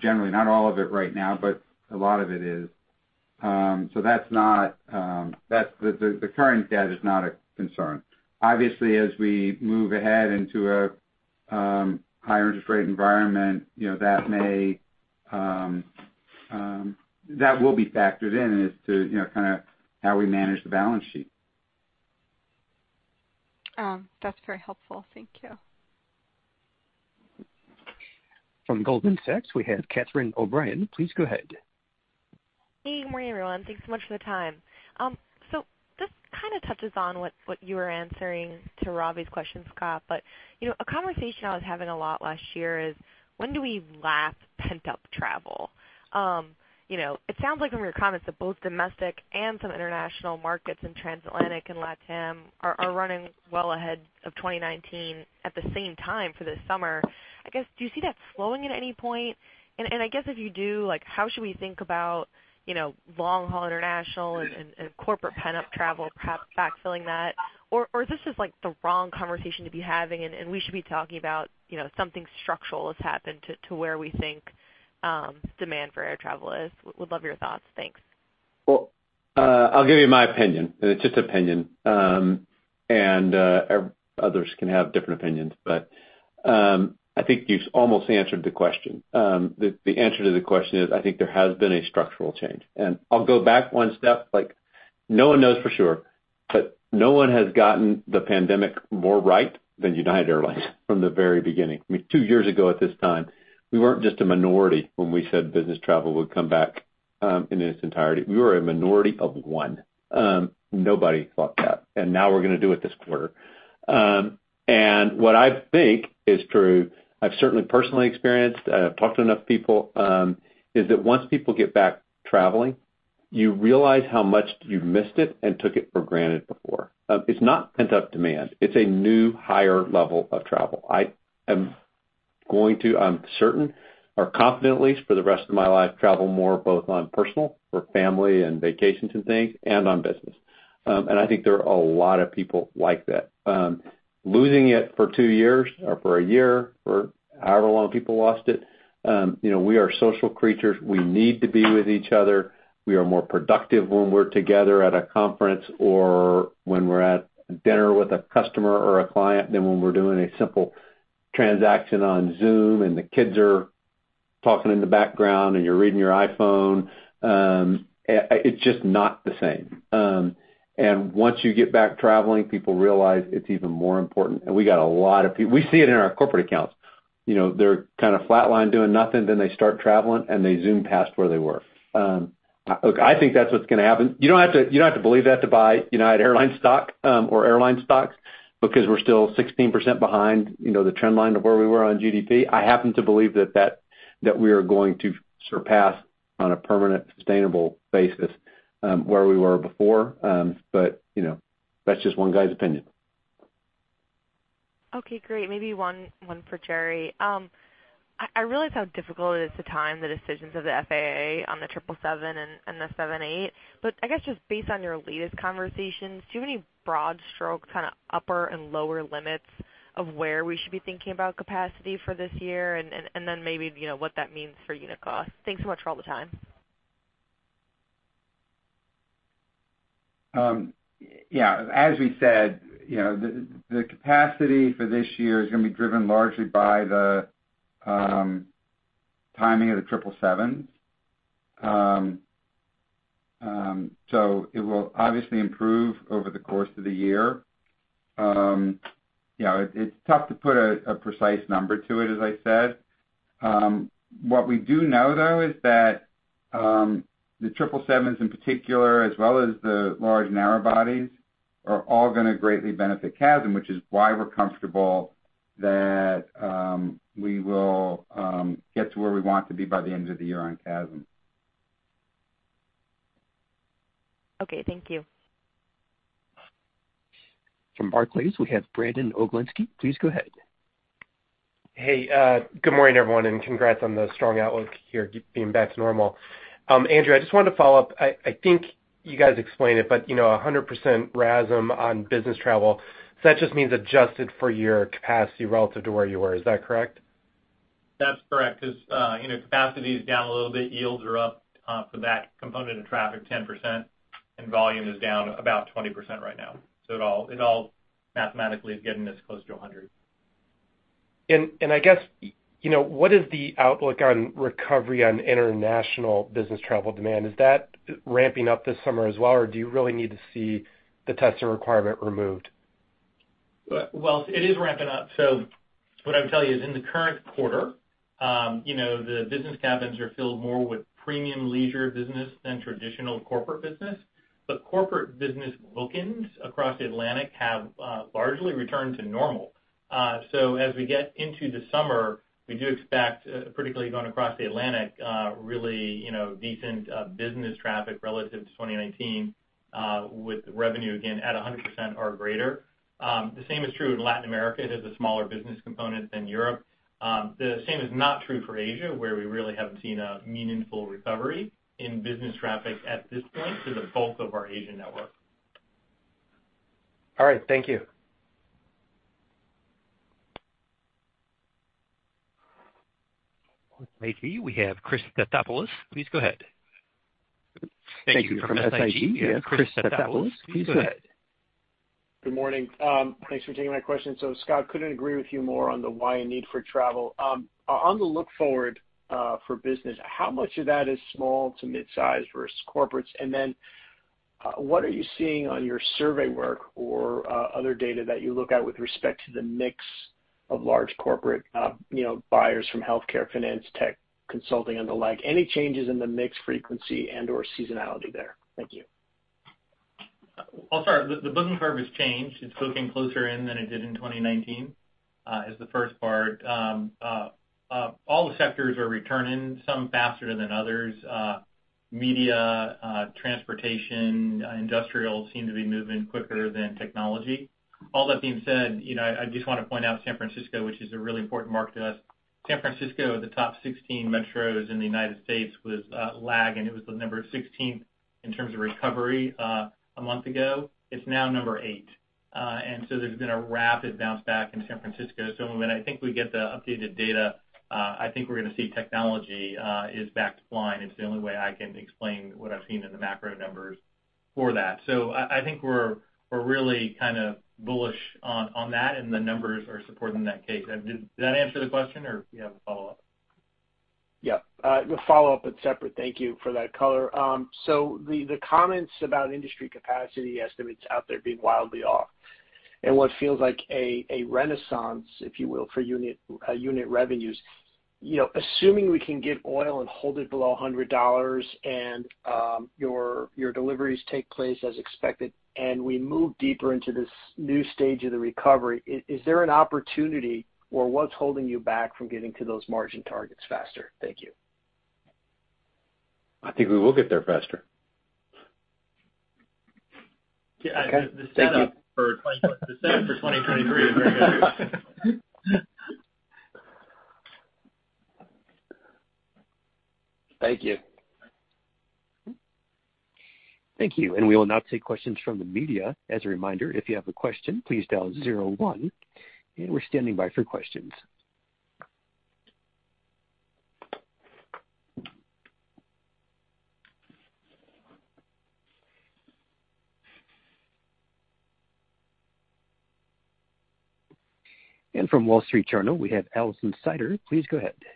generally, not all of it right now, but a lot of it is. The current debt is not a concern. Obviously, as we move ahead into a higher interest rate environment, you know, that will be factored in as to, you know, kind of how we manage the balance sheet. That's very helpful. Thank you. From Goldman Sachs, we have Catherine O'Brien. Please go ahead. Hey, good morning, everyone. Thanks so much for the time. This kind of touches on what you were answering to Ravi's question, Scott, but you know, a conversation I was having a lot last year is when do we lap pent-up travel? You know, it sounds like from your comments that both domestic and some international markets in transatlantic and LATAM are running well ahead of 2019 at the same time for this summer. I guess, do you see that slowing at any point? And I guess if you do, like, how should we think about you know, long-haul international and corporate pent-up travel perhaps backfilling that? Or is this just like, the wrong conversation to be having, and we should be talking about you know, something structural has happened to where we think demand for air travel is? Would love your thoughts. Thanks. Well, I'll give you my opinion, and it's just opinion, and others can have different opinions. I think you've almost answered the question. The answer to the question is, I think there has been a structural change. I'll go back one step, like, no one knows for sure, but no one has gotten the pandemic more right than United Airlines from the very beginning. I mean, two years ago at this time, we weren't just a minority when we said business travel would come back in its entirety. We were a minority of one. Nobody thought that, and now we're gonna do it this quarter. What I think is true, I've certainly personally experienced, I've talked to enough people, is that once people get back traveling, you realize how much you missed it and took it for granted before. It's not pent-up demand. It's a new higher level of travel. I'm certain or confident at least for the rest of my life, travel more both on personal for family and vacations and things and on business. I think there are a lot of people like that. Losing it for two years or for a year or however long people lost it, you know, we are social creatures. We need to be with each other. We are more productive when we're together at a conference or when we're at dinner with a customer or a client than when we're doing a simple transaction on Zoom, and the kids are talking in the background, and you're reading your iPhone. It's just not the same. Once you get back traveling, people realize it's even more important. We see it in our corporate accounts. You know, they're kind of flatlined doing nothing, then they start traveling, and they zoom past where they were. Look, I think that's what's gonna happen. You don't have to believe that to buy United Airlines stock, or airline stocks because we're still 16% behind, you know, the trend line of where we were on GDP. I happen to believe that we are going to surpass on a permanent sustainable basis, where we were before. You know, that's just one guy's opinion. Okay, great. Maybe one for Gerry. I realize how difficult it is to time the decisions of the FAA on the 777 and the 787. I guess just based on your latest conversations, do you have any broad stroke kind of upper and lower limits of where we should be thinking about capacity for this year and then maybe, you know, what that means for unit cost? Thanks so much for all the time. Yeah, as we said, you know, the capacity for this year is gonna be driven largely by the timing of the triple sevens. It will obviously improve over the course of the year. You know, it's tough to put a precise number to it, as I said. What we do know, though, is that the triple sevens in particular as well as the large narrow bodies are all gonna greatly benefit CASM, which is why we're comfortable that we will get to where we want to be by the end of the year on CASM. Okay, thank you. From Barclays, we have Brandon Oglenski. Please go ahead. Hey, good morning, everyone, and congrats on the strong outlook here being back to normal. Andrew, I just wanted to follow up. I think you guys explained it, but, you know, 100% RASM on business travel. That just means adjusted for your capacity relative to where you were. Is that correct? That's correct, because, you know, capacity is down a little bit. Yields are up, for that component of traffic 10%, and volume is down about 20% right now. It all mathematically is getting us close to 100. I guess, you know, what is the outlook on recovery on international business travel demand? Is that ramping up this summer as well, or do you really need to see the test requirement removed? Well, it is ramping up. What I would tell you is in the current quarter, you know, the business cabins are filled more with premium leisure business than traditional corporate business. Corporate business bookings across Atlantic have largely returned to normal. As we get into the summer, we do expect, particularly going across the Atlantic, really, you know, decent business traffic relative to 2019, with revenue again at 100% or greater. The same is true in Latin America. It is a smaller business component than Europe. The same is not true for Asia, where we really haven't seen a meaningful recovery in business traffic at this point in the bulk of our Asian network. All right. Thank you. From SIG, we have Christopher Stathoulopoulos. Please go ahead. Thank you. From SIG, we have Christopher Stathoulopoulos. Please go ahead. Good morning. Thanks for taking my question. Scott, couldn't agree with you more on the why and need for travel. On the look forward, for business, how much of that is small to mid-size versus corporates? And then, what are you seeing on your survey work or, other data that you look at with respect to the mix of large corporate, you know, buyers from healthcare, finance, tech, consulting, and the like? Any changes in the mix frequency and/or seasonality there? Thank you. I'll start. The booking curve has changed. It's booking closer in than it did in 2019, is the first part. All the sectors are returning, some faster than others. Media, transportation, industrial seem to be moving quicker than technology. All that being said, you know, I just wanna point out San Francisco, which is a really important market to us. San Francisco, the top 16 metros in the United States was lagging. It was the number 16th in terms of recovery, a month ago. It's now number eight. There's been a rapid bounce back in San Francisco. When I think we get the updated data, I think we're gonna see technology is back to flying. It's the only way I can explain what I've seen in the macro numbers for that. I think we're really kind of bullish on that, and the numbers are supporting that case. Did that answer the question, or do you have a follow-up? Yeah. The follow-up but separate. Thank you for that color. So the comments about industry capacity estimates out there being wildly off and what feels like a renaissance, if you will, for unit revenues. You know, assuming we can get oil and hold it below $100 and your deliveries take place as expected and we move deeper into this new stage of the recovery, is there an opportunity or what's holding you back from getting to those margin targets faster? Thank you. I think we will get there faster. Okay. Thank you. The setup for 2023 is very good. Thank you. Thank you. We will now take questions from the media. As a reminder, if you have a question, please dial zero one, and we're standing by for questions. From The Wall Street Journal, we have Alison Sider. Please go ahead. You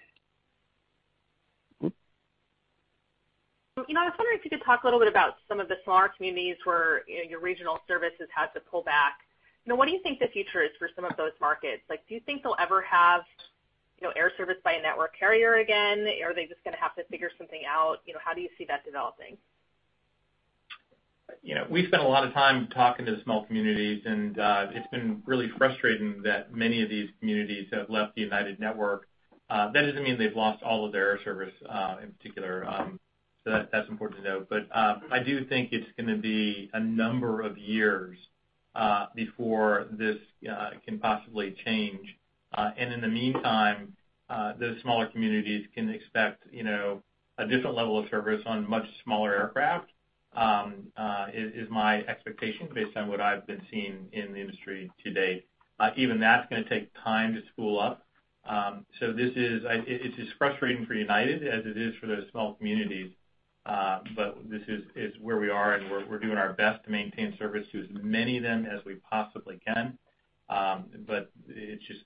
know, I was wondering if you could talk a little bit about some of the smaller communities where, you know, your regional services had to pull back. You know, what do you think the future is for some of those markets? Like, do you think they'll ever have, you know, air service by a network carrier again? Are they just gonna have to figure something out? You know, how do you see that developing? You know, we spent a lot of time talking to small communities, and it's been really frustrating that many of these communities have left the United network. That doesn't mean they've lost all of their air service in particular. That's important to note. I do think it's gonna be a number of years before this can possibly change. In the meantime, those smaller communities can expect, you know, a different level of service on much smaller aircraft is my expectation based on what I've been seeing in the industry to date. Even that's gonna take time to spool up. It is frustrating for United as it is for those small communities. This is where we are, and we're doing our best to maintain service to as many of them as we possibly can. It's just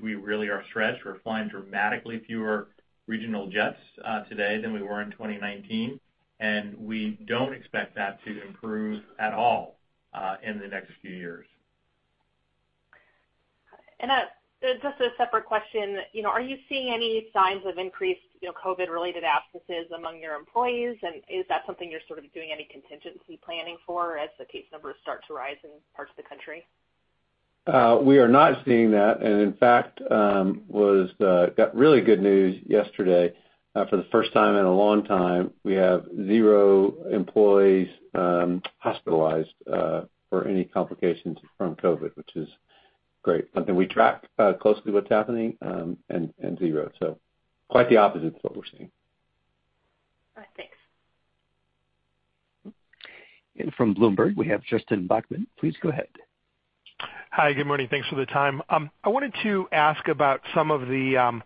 we really are stretched. We're flying dramatically fewer regional jets today than we were in 2019, and we don't expect that to improve at all in the next few years. Just a separate question. Are you seeing any signs of increased COVID-related absences among your employees? Is that something you're sort of doing any contingency planning for as the case numbers start to rise in parts of the country? We are not seeing that. In fact, we got really good news yesterday. For the first time in a long time, we have zero employees hospitalized for any complications from COVID, which is great. We track closely what's happening, and zero. Quite the opposite to what we're seeing. All right. Thanks. From Bloomberg, we have Justin Bachman. Please go ahead. Hi, good morning. Thanks for the time. I wanted to ask about some of the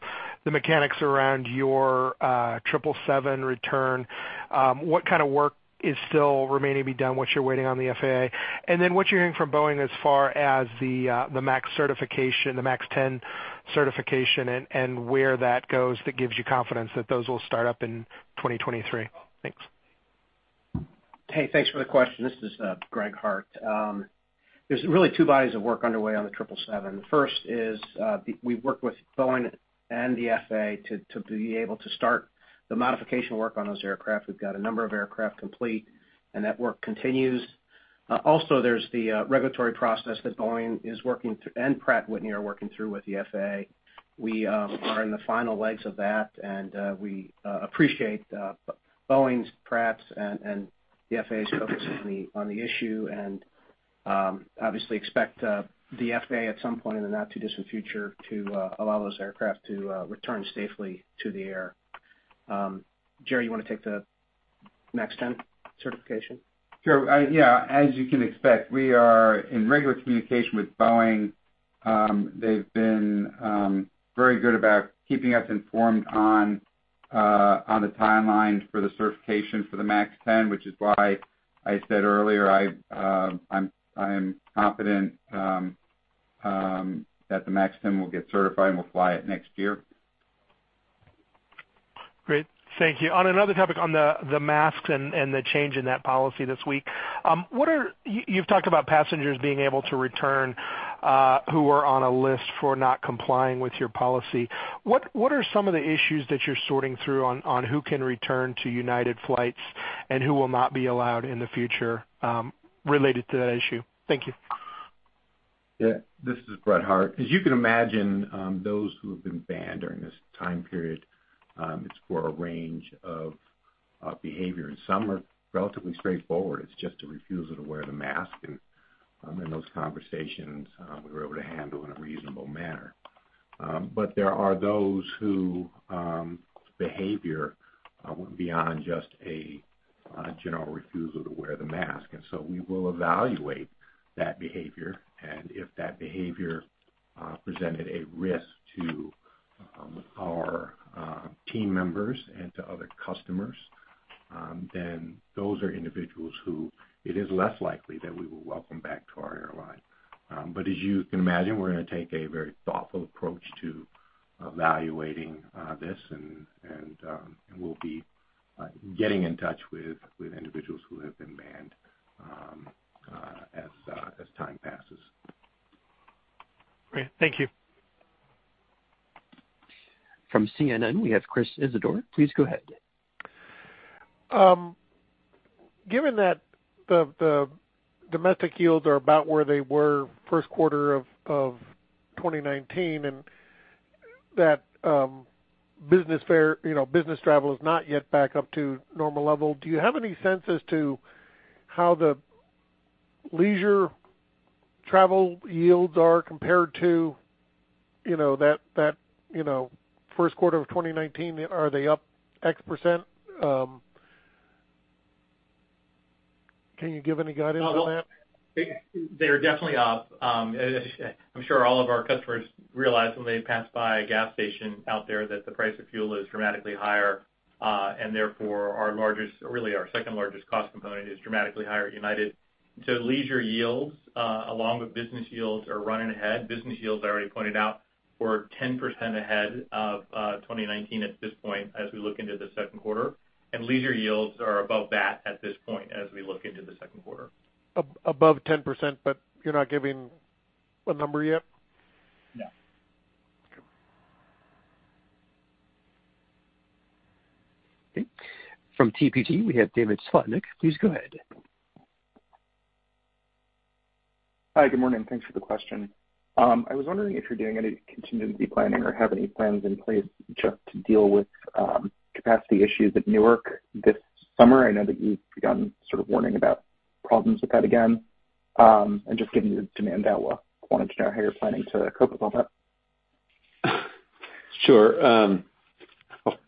mechanics around your 777 return. What kind of work is still remaining to be done, what you're waiting on the FAA? And then what you're hearing from Boeing as far as the 737 MAX certification, the 737 MAX 10 certification and where that goes that gives you confidence that those will start up in 2023? Thanks. Hey, thanks for the question. This is Greg Hart. There's really two bodies of work underway on the triple seven. The first is we work with Boeing and the FAA to be able to start the modification work on those aircraft. We've got a number of aircraft complete, and that work continues. Also there's the regulatory process that Boeing is working through, and Pratt & Whitney are working through with the FAA. We are in the final legs of that, and we appreciate Boeing's, Pratt's, and the FAA's focus on the issue and obviously expect the FAA at some point in the not too distant future to allow those aircraft to return safely to the air. Gerry, you wanna take the MAX 10 certification? Sure. Yeah, as you can expect, we are in regular communication with Boeing. They've been very good about keeping us informed on the timelines for the certification for the MAX ten, which is why I said earlier, I am confident that the MAX ten will get certified and we'll fly it next year. Great. Thank you. On another topic on the masks and the change in that policy this week, you've talked about passengers being able to return who are on a list for not complying with your policy. What are some of the issues that you're sorting through on who can return to United flights and who will not be allowed in the future related to that issue? Thank you. Yeah, this is Greg Hart. As you can imagine, those who have been banned during this time period, it's for a range of behavior, and some are relatively straightforward. It's just a refusal to wear the mask. In those conversations, we were able to handle in a reasonable manner. There are those whose behavior went beyond just a general refusal to wear the mask. We will evaluate that behavior, and if that behavior presented a risk to our team members and to other customers, then those are individuals who it is less likely that we will welcome back to our airline. As you can imagine, we're gonna take a very thoughtful approach to evaluating this and we'll be getting in touch with individuals who have been banned as time passes. Great. Thank you. From CNN, we have Chris Isidore. Please go ahead. Given that the domestic yields are about where they were first quarter of 2019 and that business fare, you know, business travel is not yet back up to normal level, do you have any sense as to how the leisure travel yields are compared to, you know, that first quarter of 2019, are they up X%? Can you give any guidance on that? They are definitely up. I'm sure all of our customers realize when they pass by a gas station out there that the price of fuel is dramatically higher, and therefore our largest, really our second largest cost component is dramatically higher at United. Leisure yields, along with business yields are running ahead. Business yields, I already pointed out, were 10% ahead of 2019 at this point as we look into the second quarter. Leisure yields are above that at this point as we look into the second quarter. Above 10%, but you're not giving a number yet? No. Okay. From TPG, we have David Slotnick. Please go ahead. Hi, good morning. Thanks for the question. I was wondering if you're doing any contingency planning or have any plans in place just to deal with capacity issues at Newark this summer. I know that you've begun sort of warning about problems with that again, and just given the demand outlook, I wanted to know how you're planning to cope with all that. Sure.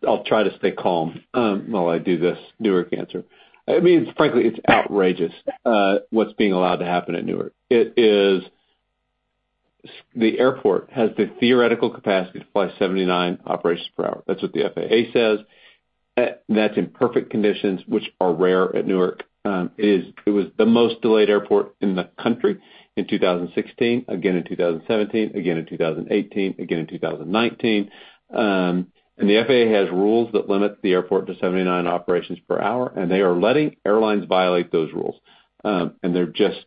I'll try to stay calm while I do this Newark answer. I mean, frankly, it's outrageous, what's being allowed to happen at Newark. It is. The airport has the theoretical capacity to fly 79 operations per hour. That's what the FAA says. That's in perfect conditions, which are rare at Newark. It was the most delayed airport in the country in 2016, again in 2017, again in 2018, again in 2019. The FAA has rules that limit the airport to 79 operations per hour, and they are letting airlines violate those rules. They're just.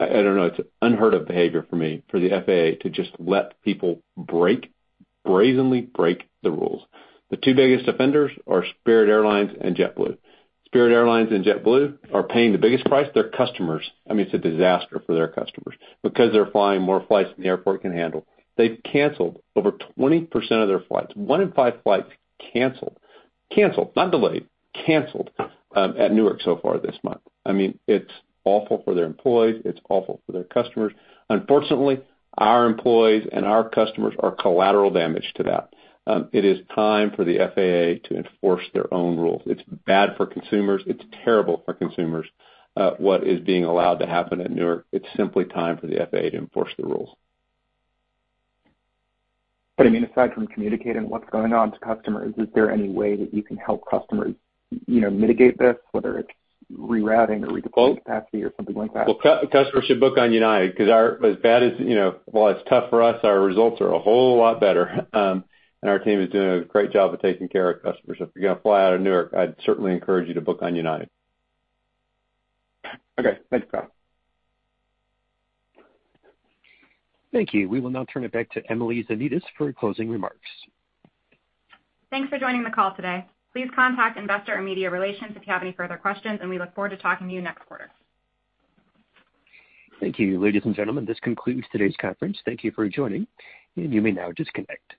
I don't know, it's unheard of behavior for me for the FAA to just let people brazenly break the rules. The two biggest offenders are Spirit Airlines and JetBlue. Spirit Airlines and JetBlue are paying the biggest price to their customers. I mean, it's a disaster for their customers because they're flying more flights than the airport can handle. They've canceled over 20% of their flights. One in five flights canceled, not delayed, at Newark so far this month. I mean, it's awful for their employees. It's awful for their customers. Unfortunately, our employees and our customers are collateral damage to that. It is time for the FAA to enforce their own rules. It's bad for consumers. It's terrible for consumers, what is being allowed to happen at Newark. It's simply time for the FAA to enforce the rules. I mean, aside from communicating what's going on to customers, is there any way that you can help customers, you know, mitigate this, whether it's rerouting or redeploying capacity or something like that? Well, customers should book on United 'cause our as bad as, you know, while it's tough for us, our results are a whole lot better, and our team is doing a great job of taking care of customers. If you're gonna fly out of Newark, I'd certainly encourage you to book on United. Okay. Thanks, Scott. Thank you. We will now turn it back to Emily Zanetis for closing remarks. Thanks for joining the call today. Please contact investor or media relations if you have any further questions, and we look forward to talking to you next quarter. Thank you. Ladies and gentlemen, this concludes today's conference. Thank you for joining, and you may now disconnect.